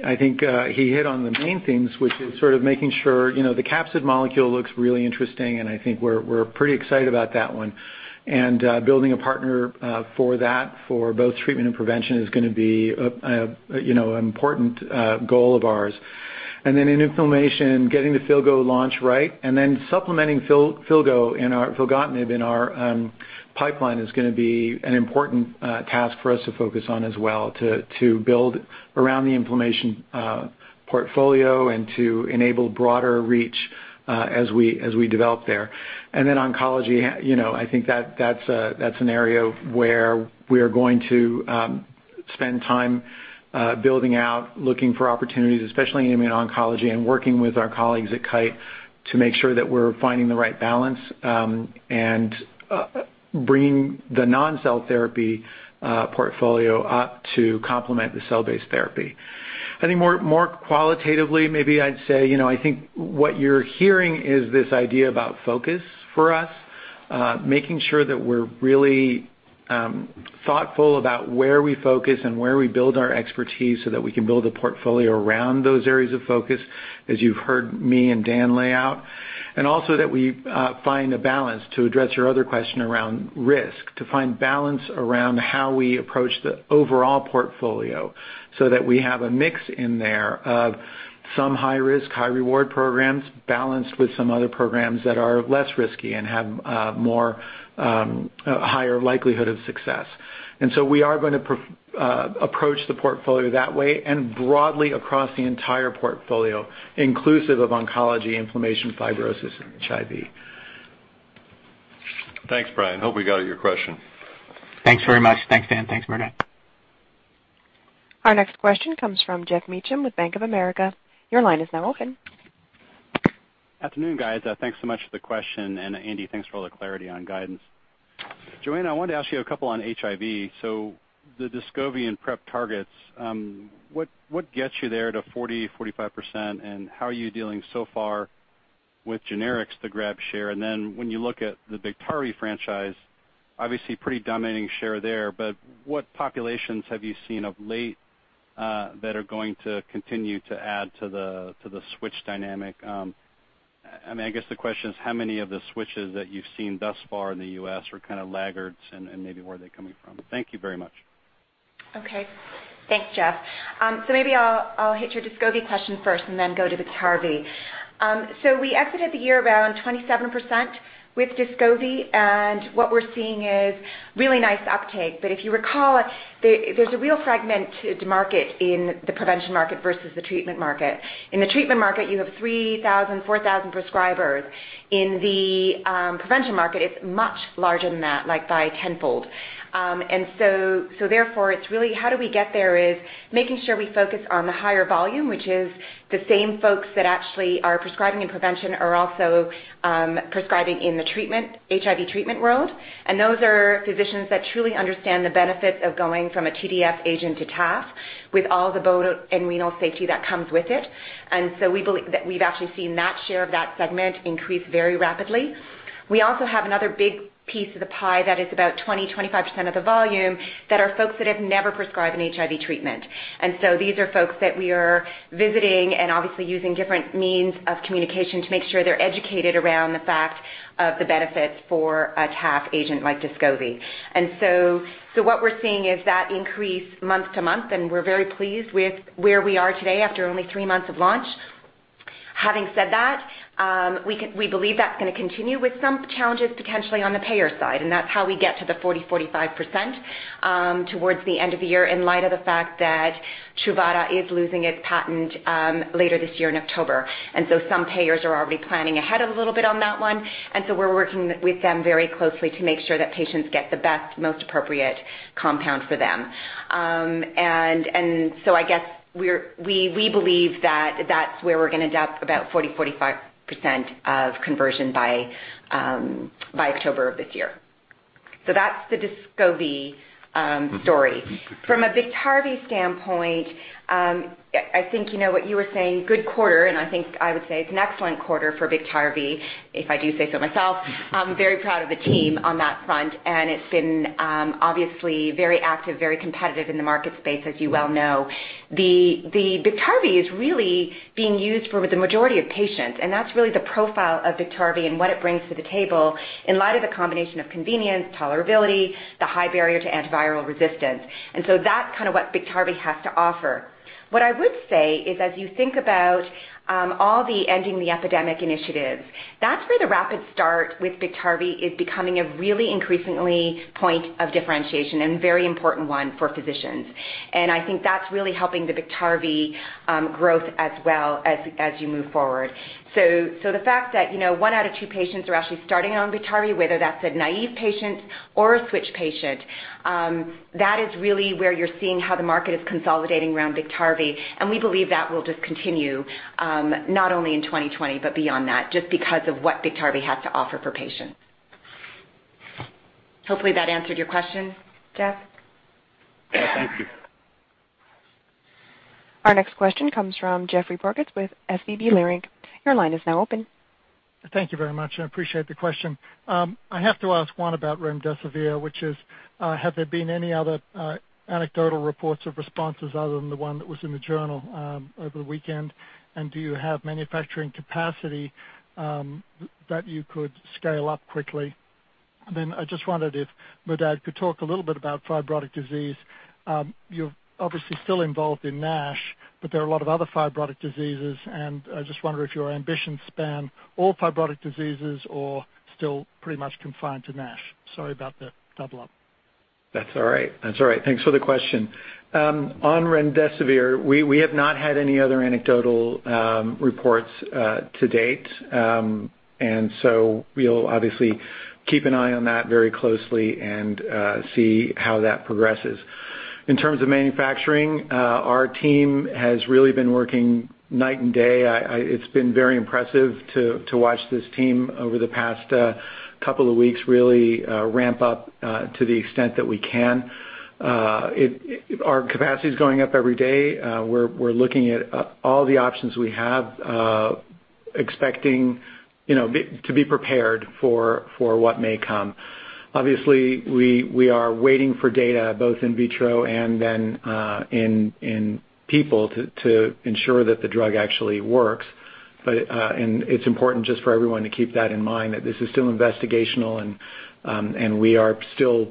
he hit on the main things, which is sort of making sure the capsid inhibitor looks really interesting, and I think we're pretty excited about that one. Building a partner for that for both treatment and prevention is going to be an important goal of ours. In inflammation, getting the Filgo launch right, supplementing Filgo, or filgotinib, in our pipeline is going to be an important task for us to focus on as well to build around the inflammation portfolio and to enable broader reach as we develop there. Oncology, I think that's an area where we are going to spend time building out, looking for opportunities, especially in immuno-oncology, and working with our colleagues at Kite to make sure that we're finding the right balance and bringing the non-cell therapy portfolio up to complement the cell-based therapy. I think more qualitatively, maybe I'd say I think what you're hearing is this idea about focus for us, making sure that we're really thoughtful about where we focus and where we build our expertise so that we can build a portfolio around those areas of focus, as you've heard me and Dan lay out. Also, we find a balance to address your other question around risk, to find balance around how we approach the overall portfolio so that we have a mix in there of some high-risk, high-reward programs balanced with some other programs that are less risky and have a higher likelihood of success. So we are going to approach the portfolio that way and broadly across the entire portfolio, inclusive of oncology, inflammation, fibrosis, and HIV. Thanks, Brian. Hope we got to your question. Thanks very much. Thanks, Dan. Thanks, Merdad. Our next question comes from Geoff Meacham with Bank of America. Your line is now open. Afternoon, guys. Thanks so much for the question. Andy, thanks for all the clarity on guidance. Johanna, I wanted to ask you a couple of things on HIV. The Descovy and PrEP targets: what gets you there to 40%, 45%? How are you dealing so far with generics to grab share? When you look at the Biktarvy franchise, it obviously has a pretty dominating share there, but what populations have you seen of late that are going to continue to add to the switch dynamic? I guess the question is, how many of the switches that you've seen thus far in the U.S. are kind of laggards, and maybe where are they coming from? Thank you very much. Okay. Thanks, Geoff. Maybe I'll hit your Descovy question first and then go to Biktarvy. We exited the year around 27% with Descovy, and what we're seeing is a really nice uptake. If you recall, there's a real fragmented market in the prevention market versus the treatment market. In the treatment market, you have 3,000, 4,000 prescribers. In the prevention market, it's much larger than that, like by tenfold. Therefore, it's really how do we get there? It's making sure we focus on the higher volume, which is the same folks that actually are prescribing in prevention are also prescribing in the HIV treatment world. Those are physicians that truly understand the benefits of going from a TDF agent to TAF. With all the bone and renal safety that comes with it. We believe that we've actually seen that share of that segment increase very rapidly. We also have another big piece of the pie that is about 20%-25% of the volume that are folks that have never been prescribed an HIV treatment. These are folks that we are visiting and obviously using different means of communication to make sure they're educated around the fact of the benefits for a TAF agent like Descovy. What we're seeing is that increase month to month, and we're very pleased with where we are today after only three months of launch. Having said that, we believe that's going to continue with some challenges potentially on the payer side, and that's how we get to the 40%-45% towards the end of the year in light of the fact that Truvada is losing its patent later this year in October. Some payers are already planning ahead a little bit on that one. We're working with them very closely to make sure that patients get the best, most appropriate compound for them. I guess we believe that that's where we're going to adapt about 40%-45% of conversion by October of this year. That's the Descovy story. From a Biktarvy standpoint, I think what you were saying is a good quarter. I think I would say it's an excellent quarter for Biktarvy, if I do say so myself. I'm very proud of the team on that front. It's been obviously very active and very competitive in the market space, as you well know. Biktarvy is really being used for the majority of patients. That's really the profile of Biktarvy and what it brings to the table in light of the combination of convenience, tolerability, and the high barrier to antiviral resistance. That's kind of what Biktarvy has to offer. What I would say is as you think about all the Ending the Epidemic initiatives, that's where the rapid start with Biktarvy is becoming a really increasingly important point of differentiation and a very important one for physicians. I think that's really helping the Biktarvy growth as well as you move forward. The fact that one out of two patients are actually starting on Biktarvy, whether they're a naive patient or a switch patient, is really where you're seeing how the market is consolidating around Biktarvy, and we believe that will just continue, not only in 2020, but beyond that, just because of what Biktarvy has to offer for patients. Hopefully that answered your question, Geoff. Thank you. Our next question comes from Geoffrey Porges with SVB Leerink. Your line is now open. Thank you very much; I appreciate the question. I have to ask one about remdesivir, which is, have there been any other anecdotal reports of responses other than the one that was in the journal over the weekend? Do you have manufacturing capacity that you could scale up quickly? I just wondered if Merdad could talk a little bit about fibrotic disease. You're obviously still involved in NASH, but there are a lot of other fibrotic diseases, and I just wonder if your ambitions span all fibrotic diseases or are still pretty much confined to NASH. Sorry about the double-up. That's all right. Thanks for the question. On remdesivir, we have not had any other anecdotal reports to date. We'll obviously keep an eye on that very closely and see how that progresses. In terms of manufacturing, our team has really been working night and day. It's been very impressive to watch this team over the past couple of weeks really ramp up to the extent that we can. Our capacity's going up every day. We're looking at all the options we have, expecting to be prepared for what may come. Obviously, we are waiting for data both in vitro and then in people to ensure that the drug actually works. It's important just for everyone to keep that in mind, that this is still investigational and we are still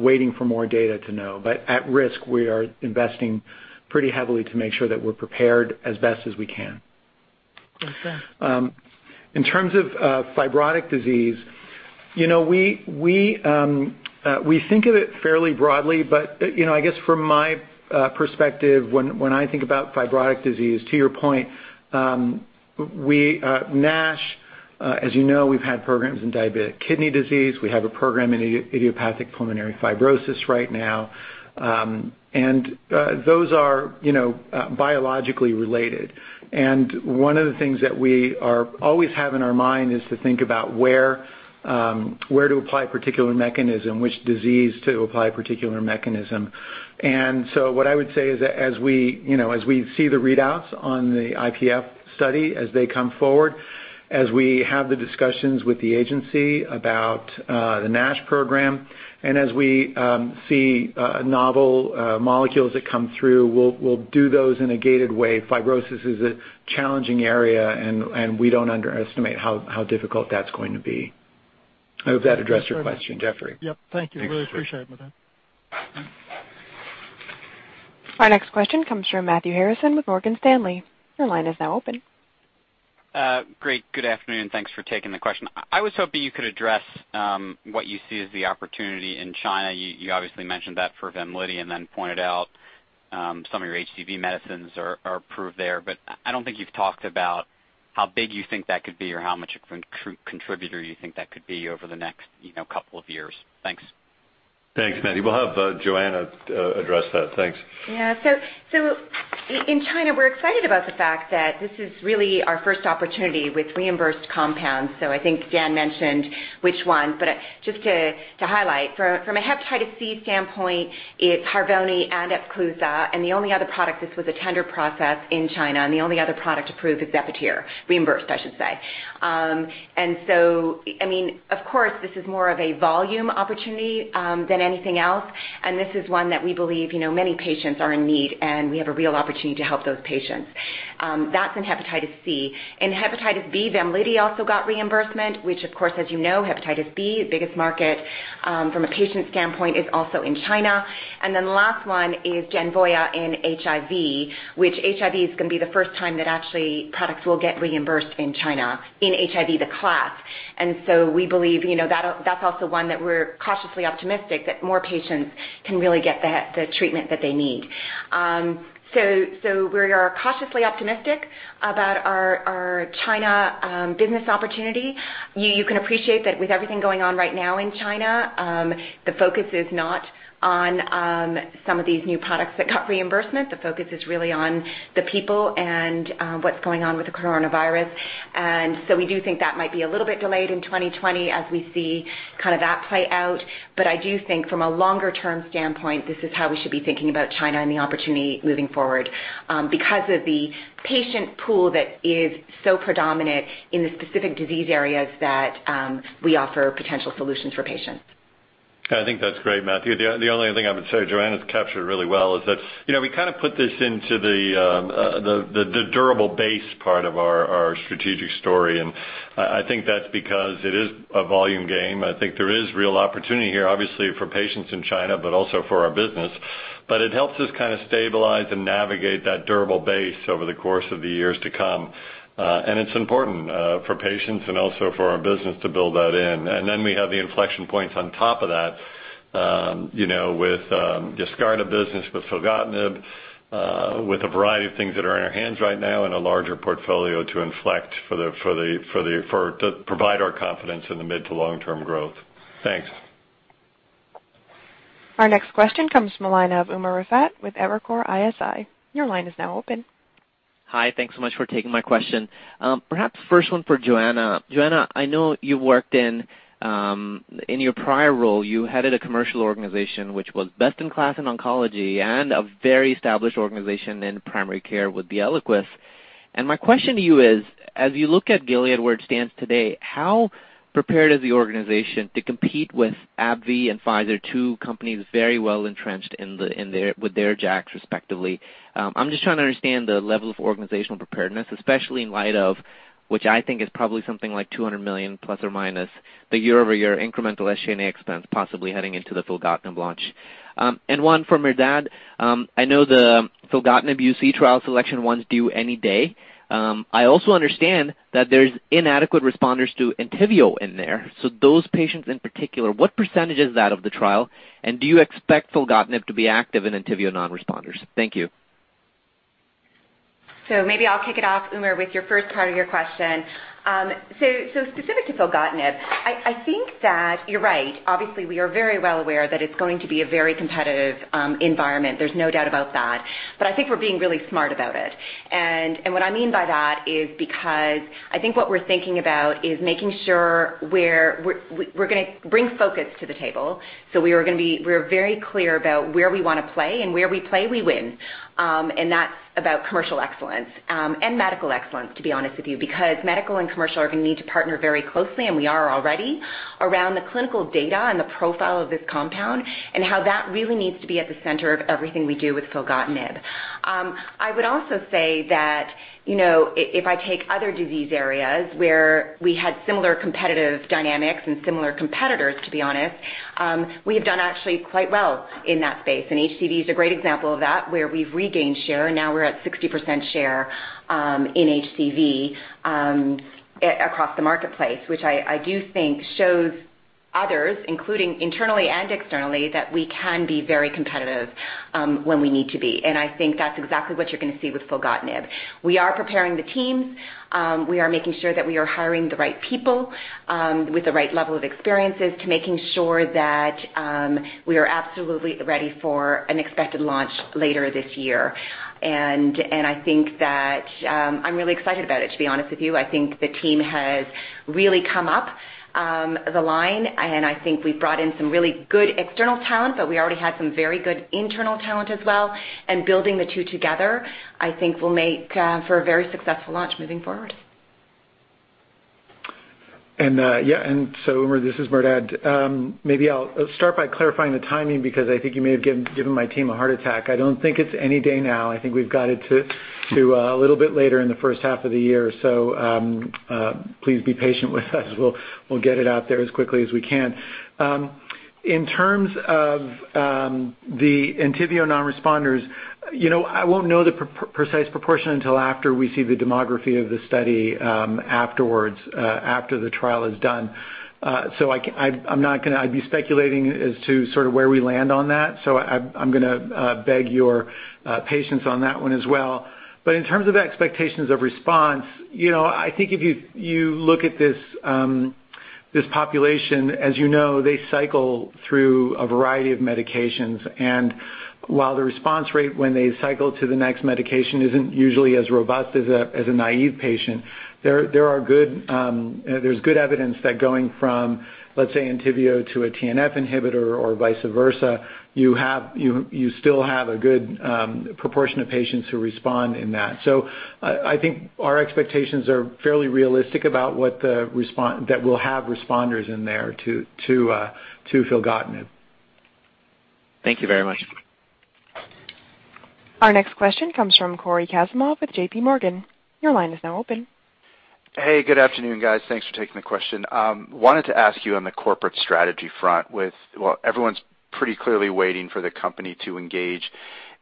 waiting for more data to know. At risk, we are investing pretty heavily to make sure that we're prepared as best as we can. [inaudible] In terms of fibrotic disease, we think of it fairly broadly, but I guess from my perspective, when I think about fibrotic disease, to your point, NASH, as you know, we've had programs in diabetic kidney disease. We have a program in idiopathic pulmonary fibrosis right now. Those are biologically related. One of the things that we always have in our mind is to think about where to apply a particular mechanism and which disease to apply a particular mechanism to. What I would say is that as we see the readouts on the IPF study as they come forward, as we have the discussions with the agency about the NASH program, and as we see novel molecules that come through, we'll do those in a gated way. Fibrosis is a challenging area, and we don't underestimate how difficult that's going to be. I hope that addressed your question, Geoffrey. Yep. Thank you. Really appreciate it, Merdad. Our next question comes from Matthew Harrison with Morgan Stanley. Your line is now open. Great. Good afternoon. Thanks for taking the question. I was hoping you could address what you see as the opportunity in China. You obviously mentioned that for VEMLIDY and then pointed out some of your HCV medicines are approved there, but I don't think you've talked about how big you think that could be or how much of a contributor you think that could be over the next couple of years. Thanks. Thanks, Matthew. We'll have Johanna address that. Thanks. In China, we're excited about the fact that this is really our first opportunity with reimbursed compounds. I think Dan mentioned which one, but just to highlight, from a hepatitis C standpoint, it's HARVONI and EPCLUSA, and this was a tender process in China, and the only other product approved is Epivir. Reimbursed, I should say. Of course, this is more of a volume opportunity than anything else, and this is one that we believe many patients are in need of, and we have a real opportunity to help those patients. That's in hepatitis C. In hepatitis B, VEMLIDY also got reimbursement, which, of course, as you know, hepatitis B, the biggest market from a patient standpoint, is also in China. The last one is Genvoya in HIV, which HIV is going to be the first time that actually products will get reimbursed in China, in the HIV class. We believe that's also one where we're cautiously optimistic that more patients can really get the treatment that they need. We are cautiously optimistic about our China business opportunity. You can appreciate that with everything going on right now in China, the focus is not on some of these new products that got reimbursement. The focus is really on the people and what's going on with the coronavirus. We do think that might be a little bit delayed in 2020 as we see that play out. I do think from a longer-term standpoint, this is how we should be thinking about China and the opportunity moving forward because of the patient pool that is so predominant in the specific disease areas that we offer potential solutions for patients. I think that's great, Matthew. The only other thing I would say Johanna's captured really well is that we put this into the durable base part of our strategic story, and I think that's because it is a volume game. I think there is real opportunity here, obviously for patients in China, but also for our business. It helps us stabilize and navigate that durable base over the course of the years to come. It's important for patients and also for our business to build that in. We have the inflection points on top of that with the Yescarta business, with filgotinib, with a variety of things that are in our hands right now, and a larger portfolio to reflect to provide our confidence in the mid- to long-term growth. Thanks. Our next question comes from the line of Umer Raffat with Evercore ISI. Your line is now open. Hi, thanks so much for taking my question. Perhaps the first one for Johanna. Johanna, I know in your prior role, you headed a commercial organization that was best in class in oncology and a very established organization in primary care with ELIQUIS. My question to you is, as you look at Gilead where it stands today, how prepared is the organization to compete with AbbVie and Pfizer, two companies very well entrenched with their JAKs, respectively? I'm just trying to understand the level of organizational preparedness, especially in light of what I think is probably something like $±200 million, the year-over-year incremental SG&A expense possibly heading into the filgotinib launch. One for Merdad. I know the filgotinib UC trial SELECTION due any day. I also understand that there are inadequate responders to ENTYVIO in there. Those patients in particular, what percentage is that of the trial? Do you expect filgotinib to be active in ENTYVIO non-responders? Thank you. Maybe I'll kick it off, Umer, with your first part of your question. Specific to filgotinib, I think that you're right. Obviously, we are very well aware that it's going to be a very competitive environment. There's no doubt about that. I think we're being really smart about it. What I mean by that is because I think what we're thinking about is making sure we're going to bring focus to the table. We're very clear about where we want to play, and where we play, we win. That's about commercial excellence and medical excellence, to be honest with you, because medical and commercial are going to need to partner very closely, and we already are around the clinical data and the profile of this compound and how that really needs to be at the center of everything we do with filgotinib. I would also say that if I take other disease areas where we had similar competitive dynamics and similar competitors, to be honest, we have done actually quite well in that space. HCV is a great example of that, where we've regained share, and now we're at 60% share in HCV across the marketplace, which I do think shows others, including internally and externally, that we can be very competitive when we need to be. I think that's exactly what you're going to see with filgotinib. We are preparing the teams. We are making sure that we are hiring the right people with the right level of experience to make sure that we are absolutely ready for an expected launch later this year. I think that I'm really excited about it, to be honest with you. I think the team has really come up the line, and I think we've brought in some really good external talent, but we already had some very good internal talent as well, and building the two together, I think, will make for a very successful launch moving forward. Umer, this is Merdad. Maybe I'll start by clarifying the timing because I think you may have given my team a heart attack. I don't think it's any day now. I think we've got it to a little bit later in the first half of the year. Please be patient with us. We'll get it out there as quickly as we can. In terms of the ENTYVIO non-responders, I won't know the precise proportion until after we see the demography of the study afterwards, after the trial is done. I'd be speculating as to where we land on that. I'm going to beg your patience on that one as well. In terms of expectations of response, I think if you look at this— This population, as you know, cycles through a variety of medications, and while the response rate when they cycle to the next medication isn't usually as robust as a naive patient, there's good evidence that going from, let's say, ENTYVIO to a TNF inhibitor or vice versa, you still have a good proportion of patients who respond to that. I think our expectations are fairly realistic about our having responders in there to filgotinib. Thank you very much. Our next question comes from Cory Kasimov with J.P. Morgan. Your line is now open. Hey, good afternoon, guys. Thanks for taking the question. Well, everyone's pretty clearly waiting for the company to engage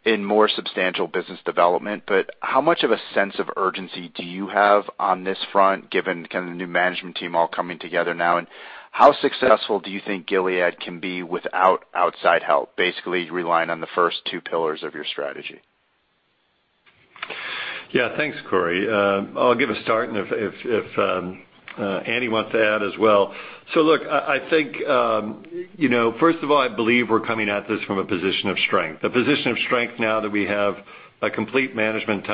in more substantial business development. How much of a sense of urgency do you have on this front, given the new management team all coming together now? How successful do you think Gilead can be without outside help, basically relying on the first two pillars of your strategy? Yeah, thanks, Cory. I'll give a start, and Andrew wants to add as well. Look, first of all, I believe we're coming at this from a position of strength. A position of strength now that we have a complete management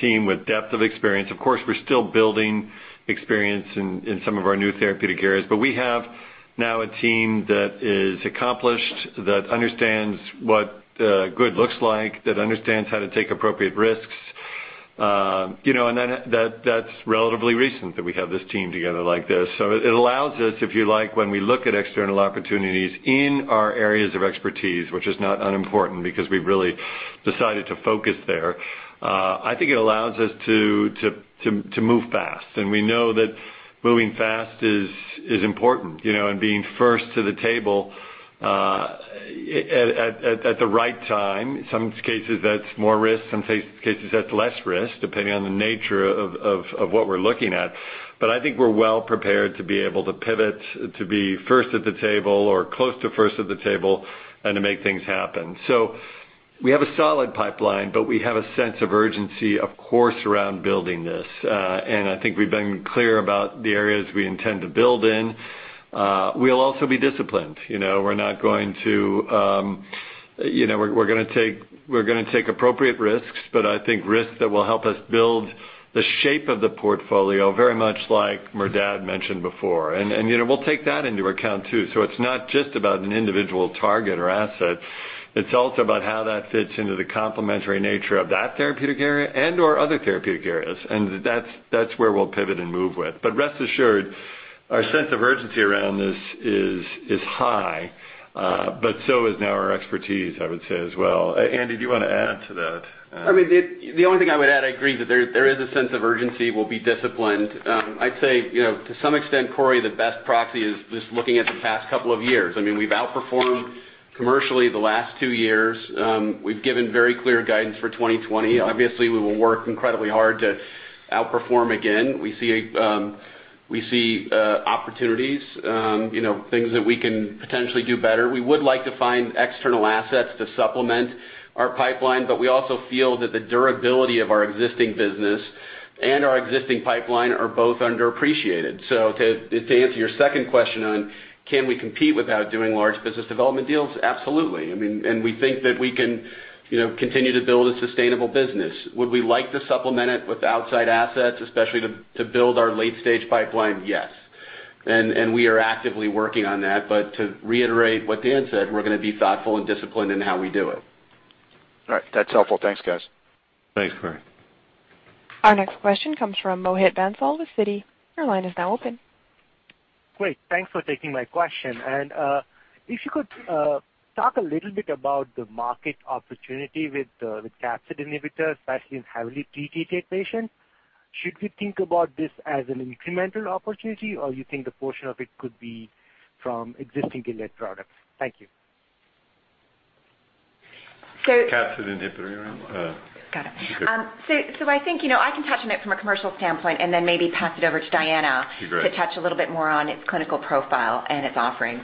team with depth of experience. Of course, we're still building experience in some of our new therapeutic areas. We now have a team that is accomplished, that understands what good looks like, and that understands how to take appropriate risks. It's relatively recent that we have this team together like this. It allows us, if you like, when we look at external opportunities in our areas of expertise, which are not unimportant because we've really decided to focus there. I think it allows us to move fast, and we know that moving fast is important and being first to the table at the right time. In some cases that's more risk, and in some cases that's less risk, depending on the nature of what we're looking at. I think we're well prepared to be able to pivot to be first at the table or close to first at the table and to make things happen. We have a solid pipeline, but we have a sense of urgency, of course, around building this. I think we've been clear about the areas we intend to build in. We'll also be disciplined. We're going to take appropriate risks, but I think risks that will help us build the shape of the portfolio very much like Merdad mentioned before. We'll take that into account, too. It's not just about an individual target or asset. It's also about how that fits into the complementary nature of that therapeutic area and/or other therapeutic areas. That's where we'll pivot and move with. Rest assured, our sense of urgency around this is high, but so is now our expertise, I would say as well. Andy, do you want to add to that? The only thing I would add is I agree that there is a sense of urgency. We'll be disciplined. I'd say to some extent, Cory, the best proxy is just looking at the past couple of years. We've outperformed commercially the last two years. We've given very clear guidance for 2020. Obviously, we will work incredibly hard to outperform again. We see opportunities, things that we can potentially do better. We would like to find external assets to supplement our pipeline, but we also feel that the durability of our existing business and our existing pipeline are both underappreciated. To answer your second question on whether we can compete without doing large business development deals, absolutely. We think that we can continue to build a sustainable business. Would we like to supplement it with outside assets, especially to build our late-stage pipeline? Yes. We are actively working on that. To reiterate what Dan said, we're going to be thoughtful and disciplined in how we do it. All right. That's helpful. Thanks, guys. Thanks, Cory. Our next question comes from Mohit Bansal with Citi. Your line is now open. Great. Thanks for taking my question. If you could talk a little bit about the market opportunity with the capsid inhibitors, especially in heavily treated patients. Should we think about this as an incremental opportunity, or do you think a portion of it could be from existing Gilead products? Thank you. Capsid inhibitor, you mean? Got it. I think I can touch on it from a commercial standpoint and then maybe pass it over to Diana— Be great. ...to touch a little bit more on its clinical profile and its offerings.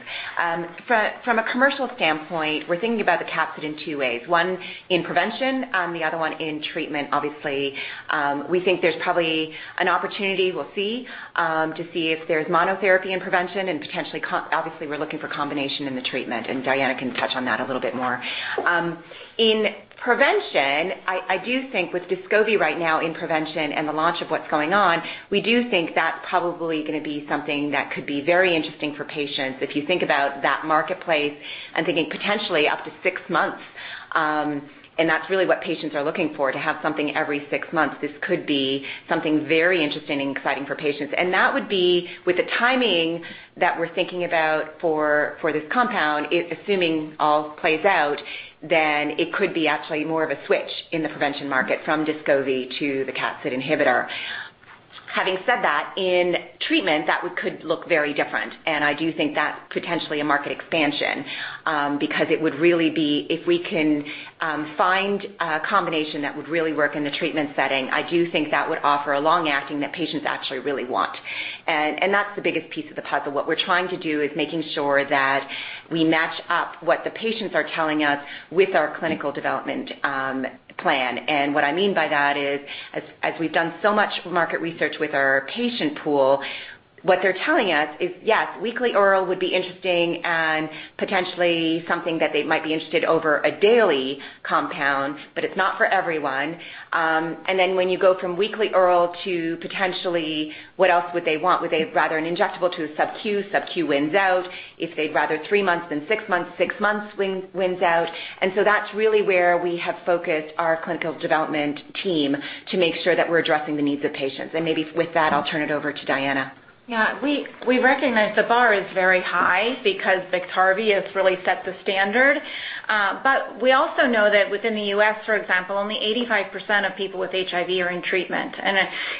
From a commercial standpoint, we're thinking about the capsid in two ways. One is in prevention, the other one in treatment. Obviously, we think there's probably an opportunity, we'll see, to see if there's monotherapy in prevention. Obviously, we're looking for a combination in the treatment, and Diana can touch on that a little bit more. In prevention, I do think with Descovy right now in prevention and the launch of what's going on, we do think that's probably going to be something that could be very interesting for patients. If you think about that marketplace, I'm thinking potentially up to six months, and that's really what patients are looking for, to have something every six months. This could be something very interesting and exciting for patients. That would be with the timing that we're thinking about for this compound; assuming all plays out, then it could actually be more of a switch in the prevention market from Descovy to the capsid inhibitor. Having said that, in treatment, that could look very different, and I do think that's potentially a market expansion because it would really be if we could find a combination that would really work in the treatment setting; I do think that would offer a long-acting that patients actually really want. That's the biggest piece of the puzzle. What we're trying to do is make sure that we match up what the patients are telling us with our Clinical Development Plan. What I mean by that is we've done so much market research with our patient pool. What they're telling us is, yes, a weekly oral would be interesting and potentially something that they might be interested in over a daily compound, but it's not for everyone. When you go from weekly oral, potentially, what else would they want? Would they rather an injectable than a subQ? SubQ wins out. If they'd rather three months than six months, six months wins. That's really where we have focused our clinical development team to make sure that we're addressing the needs of patients. Maybe with that, I'll turn it over to Diana. Yeah. We recognize the bar is very high because Biktarvy has really set the standard. We also know that within the U.S., for example, only 85% of people with HIV are in treatment.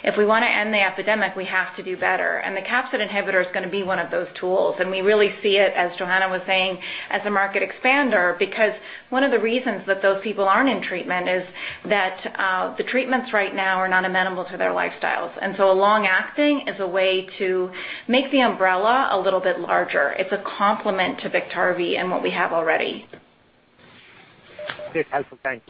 If we want to End the Epidemic, we have to do better. The capsid inhibitor is going to be one of those tools, and we really see it, as Johanna was saying, as a market expander. Because one of the reasons that those people aren't in treatment is that the treatments right now are not amenable to their lifestyles. So long-acting is a way to make the umbrella a little bit larger. It's a complement to Biktarvy and what we have already. Great. Helpful. Thanks.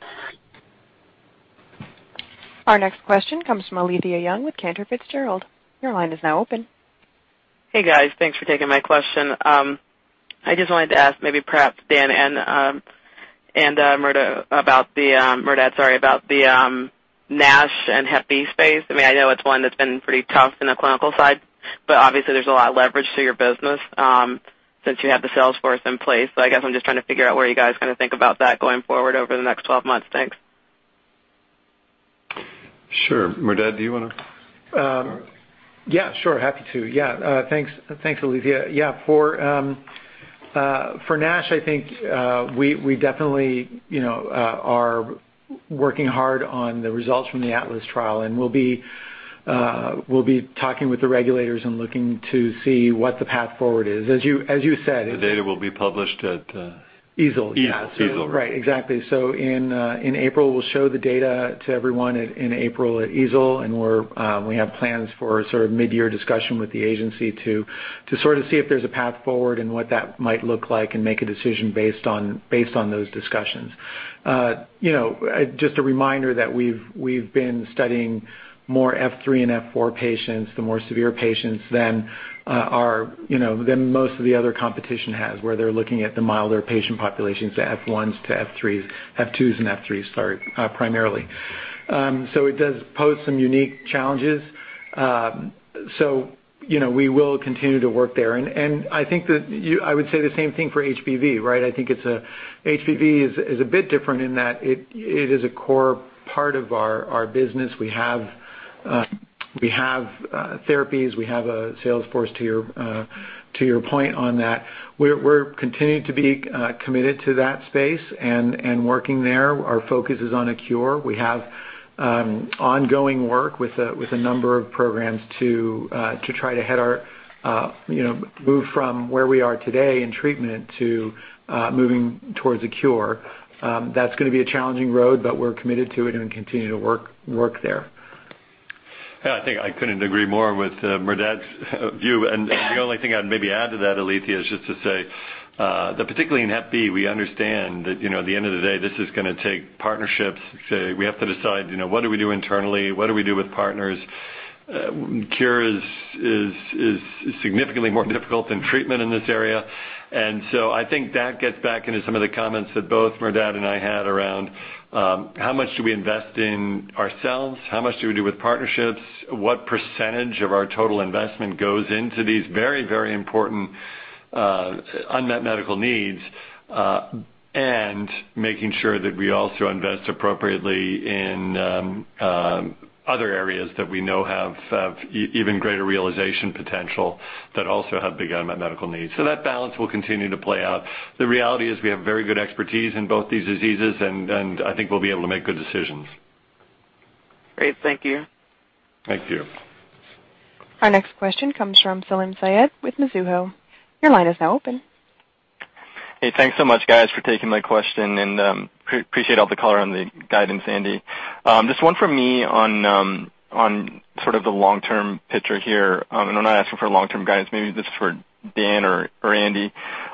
Our next question comes from Alethia Young with Cantor Fitzgerald. Your line is now open. Hey, guys. Thanks for taking my question. I just wanted to ask maybe perhaps Dan and Merdad, sorry, about the NASH and hep B space. I know it's one that's been pretty tough on the clinical side, but obviously, there's a lot of leverage to your business since you have the sales force in place. I guess I'm just trying to figure out what you guys think about that going forward over the next 12 months. Thanks. Sure. Merdad, do you want to? Yeah, sure. Happy to. Yeah, thanks, Alethia. Yeah. For NASH, I think we definitely are working hard on the results from the ATLAS trial, and we'll be talking with the regulators and looking to see what the path forward is. As you said— The data will be published. EASL EASL. Yeah. Right, exactly. In April, we'll show the data to everyone in April at EASL, and we have plans for a mid-year discussion with the agency to sort of see if there's a path forward and what that might look like and make a decision based on those discussions. Just a reminder that we've been studying more F3 and F4 patients, the more severe patients than most of the other competition has, where they're looking at the milder patient populations, the F1s to F3s. F2s and F3s, sorry, primarily. It does pose some unique challenges. We will continue to work there. I think that I would say the same thing for HBV, right? I think HBV is a bit different in that it is a core part of our business. We have therapies; we have a sales force, to your point on that. We're continuing to be committed to that space and working there. Our focus is on a cure. We have ongoing work with a number of programs to try to move from where we are today in treatment to moving towards a cure. That's going to be a challenging road, but we're committed to it and continue to work there. Yeah, I think I couldn't agree more with Merdad's view. The only thing I'd maybe add to that, Alethia, is just to say that particularly in HBV, we understand that at the end of the day, this is going to take partnerships. We have to decide: what do we do internally, and what do we do with partners? A cure is significantly more difficult than treatment in this area. I think that gets back into some of the comments that both Merdad and I had around how much do we invest in ourselves, how much do we do with partnerships, what percentage of our total investment goes into these very, very important unmet medical needs, and making sure that we also invest appropriately in other areas that we know have even greater realization potential that also have big unmet medical needs? That balance will continue to play out. The reality is we have very good expertise in both these diseases, and I think we'll be able to make good decisions. Great. Thank you. Thank you. Our next question comes from Salim Syed with Mizuho. Your line is now open. Hey, thanks so much, guys, for taking my question, and I appreciate all the color on the guidance, Andy. Just one for me on sort of the long-term picture here. I'm not asking for long-term guidance. Maybe this is for Dan or Andy.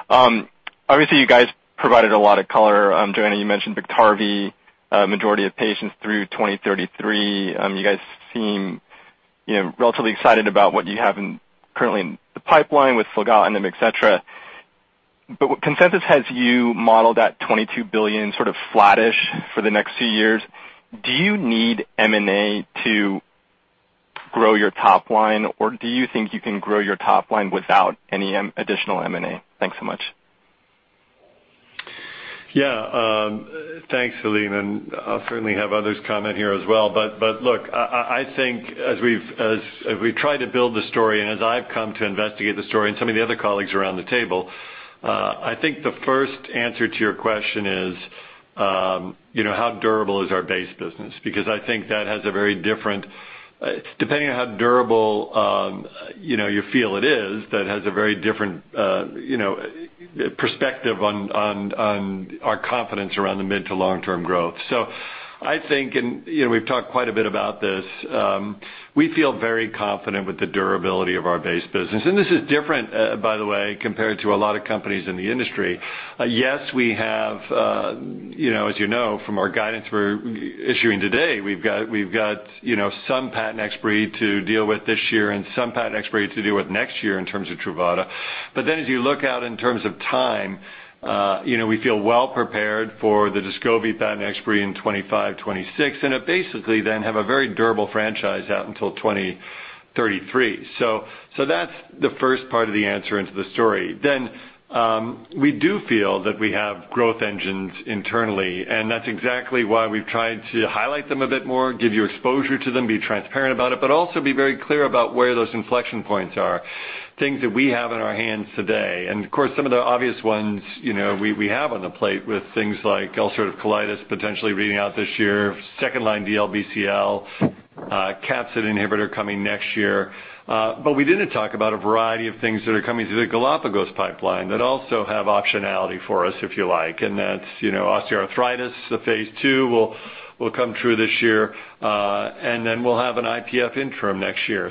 Obviously, you guys provided a lot of color. Johanna, you mentioned Biktarvy, the majority of patients through 2033. You guys seem relatively excited about what you have currently in the pipeline with filgotinib and Yescarta. Consensus has you modeled at $22 billion, sort of flat-ish for the next few years. Do you need M&A to grow your top line, or do you think you can grow your top line without any additional M&A? Thanks so much. Thanks, Salim, I'll certainly have others comment here as well. Look, I think as we've tried to build the story, and as I've come to investigate the story and some of the other colleagues around the table, I think the first answer to your question is, how durable is our base business? I think depending on how durable you feel it is, that has a very different perspective on our confidence around the mid- to long-term growth. I think, and we've talked quite a bit about this, we feel very confident with the durability of our base business. This is different, by the way, compared to a lot of companies in the industry. Yes, as you know from our guidance we're issuing today, we've got some patent expiry to deal with this year and some patent expiry to deal with next year in terms of Truvada. As you look out in terms of time, we feel well prepared for the Descovy patent expiry in 2025, 2026, and basically then have a very durable franchise out until 2033. That's the first part of the answer to the story. We do feel that we have growth engines internally, and that's exactly why we've tried to highlight them a bit more, give you exposure to them, and be transparent about it but also be very clear about where those inflection points are, things that we have in our hands today. Of course, some of the obvious ones we have on the plate are things like ulcerative colitis potentially reading out this year and second-line DLBCL, with a capsid inhibitor coming next year. We didn't talk about a variety of things that are coming through the Galapagos pipeline that also have optionality for us, if you like. That's osteoarthritis; phase II will come through this year, and then we'll have an IPF interim next year.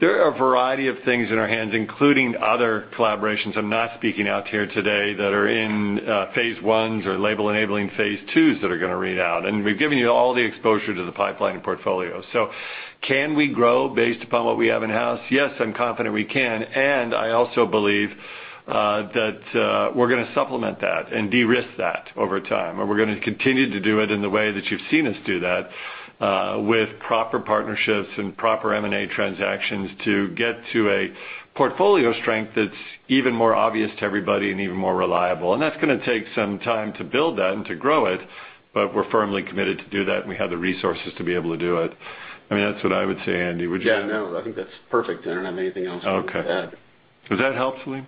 There are a variety of things in our hands, including other collaborations I'm not speaking out about here today that are in phase Is or label-enabling phase IIs that are going to read out. We've given you all the exposure to the pipeline and portfolio. Can we grow based upon what we have in-house? Yes, I'm confident we can. I also believe that we're going to supplement that and de-risk that over time. We're going to continue to do it in the way that you've seen us do that, with proper partnerships and proper M&A transactions to get to a portfolio strength that's even more obvious to everybody and even more reliable. That's going to take some time to build that and to grow it, but we're firmly committed to doing that, and we have the resources to be able to do it. I mean, that's what I would say, Andy. Would you? Yeah, no, I think that's perfect. I don't have anything else to add. Okay. Does that help, Salim?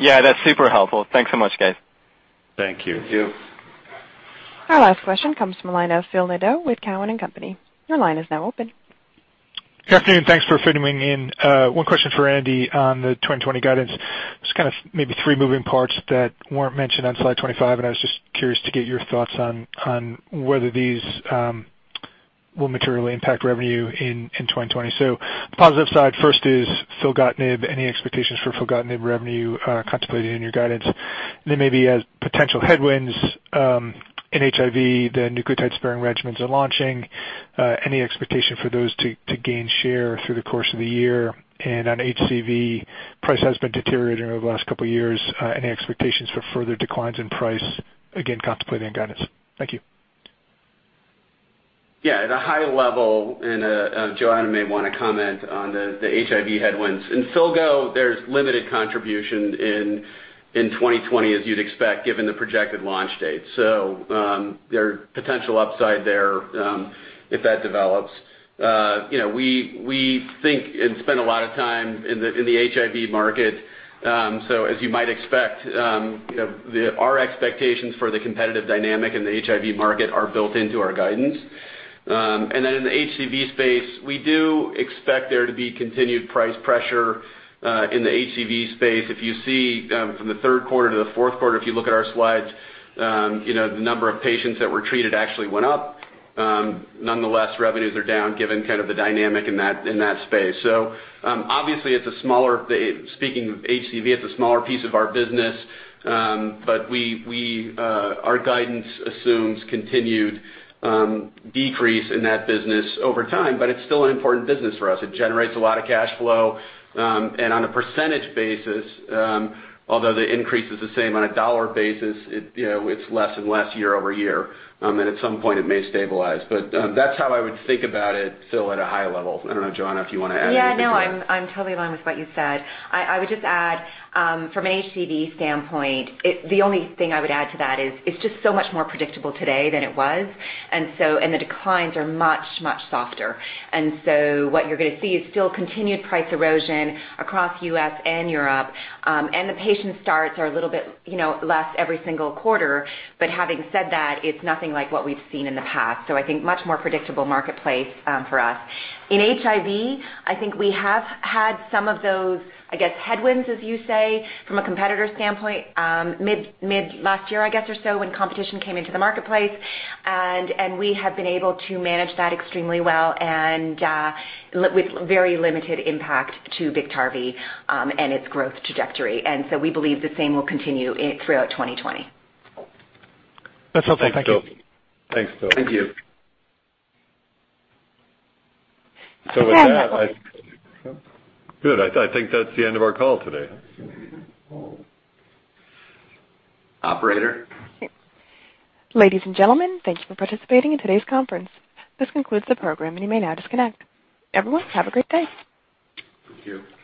Yeah, that's super helpful. Thanks so much, guys. Thank you. Thank you. Our last question comes from the line of Phil Nadeau with Cowen and Company. Your line is now open. Good afternoon, and thanks for fitting me in. One question for Andy on the 2020 guidance. Just maybe three moving parts that weren't mentioned on slide 25, and I was just curious to get your thoughts on whether these will materially impact revenue in 2020. The positive side first is filgotinib. Any expectations for filgotinib revenue contemplated in your guidance? Maybe as potential headwinds in HIV, the nucleotide-sparing regimens are launching. Any expectation for those to gain share through the course of the year? On HCV, price has been deteriorating over the last couple of years. Any expectations for further declines in price, again, contemplated in guidance? Thank you. At a high level, Johanna may want to comment on the HIV headwinds. In Filgo, there's limited contribution in 2020, as you'd expect, given the projected launch date. There's potential upside there if that develops. We think and spend a lot of time in the HIV market. As you might expect, our expectations for the competitive dynamic in the HIV market are built into our guidance. In the HCV space, we do expect there to be continued price pressure in the HCV space. If you see from the third quarter to the fourth quarter, if you look at our slides, the number of patients that were treated actually went up. Nonetheless, revenues are down given the dynamic in that space. Obviously, speaking of HCV, it's a smaller piece of our business, but our guidance assumes a continued decrease in that business over time, but it's still an important business for us. It generates a lot of cash flow, and on a percentage basis, although the increase is the same on a dollar basis, it's less and less year over year. At some point, it may stabilize. That's how I would think about it, Phil, at a high level. I don't know, Johanna, if you want to add anything to that. Yeah, no, I'm totally in line with what you said. I would just add, from an HCV standpoint, that the only thing I would add to that is it's just so much more predictable today than it was. The declines are much, much softer. What you're going to see is still continued price erosion across the U.S. and Europe. The patient stats are a little bit less every single quarter. Having said that, it's nothing like what we've seen in the past. I think there's a much more predictable marketplace for us. In HIV, I think we have had some of those, I guess, headwinds, as you say, from a competitor standpoint mid-last year, I guess, or so when competition came into the marketplace. We have been able to manage that extremely well and with very limited impact to Biktarvy and its growth trajectory. We believe the same will continue throughout 2020. That's helpful. Thank you. Thanks, Phil. Thank you. With that— Good. I think that's the end of our call today. Operator? Sure. Ladies and gentlemen, thank you for participating in today's conference. This concludes the program, and you may now disconnect. Everyone, have a great day. Thank you. Okay.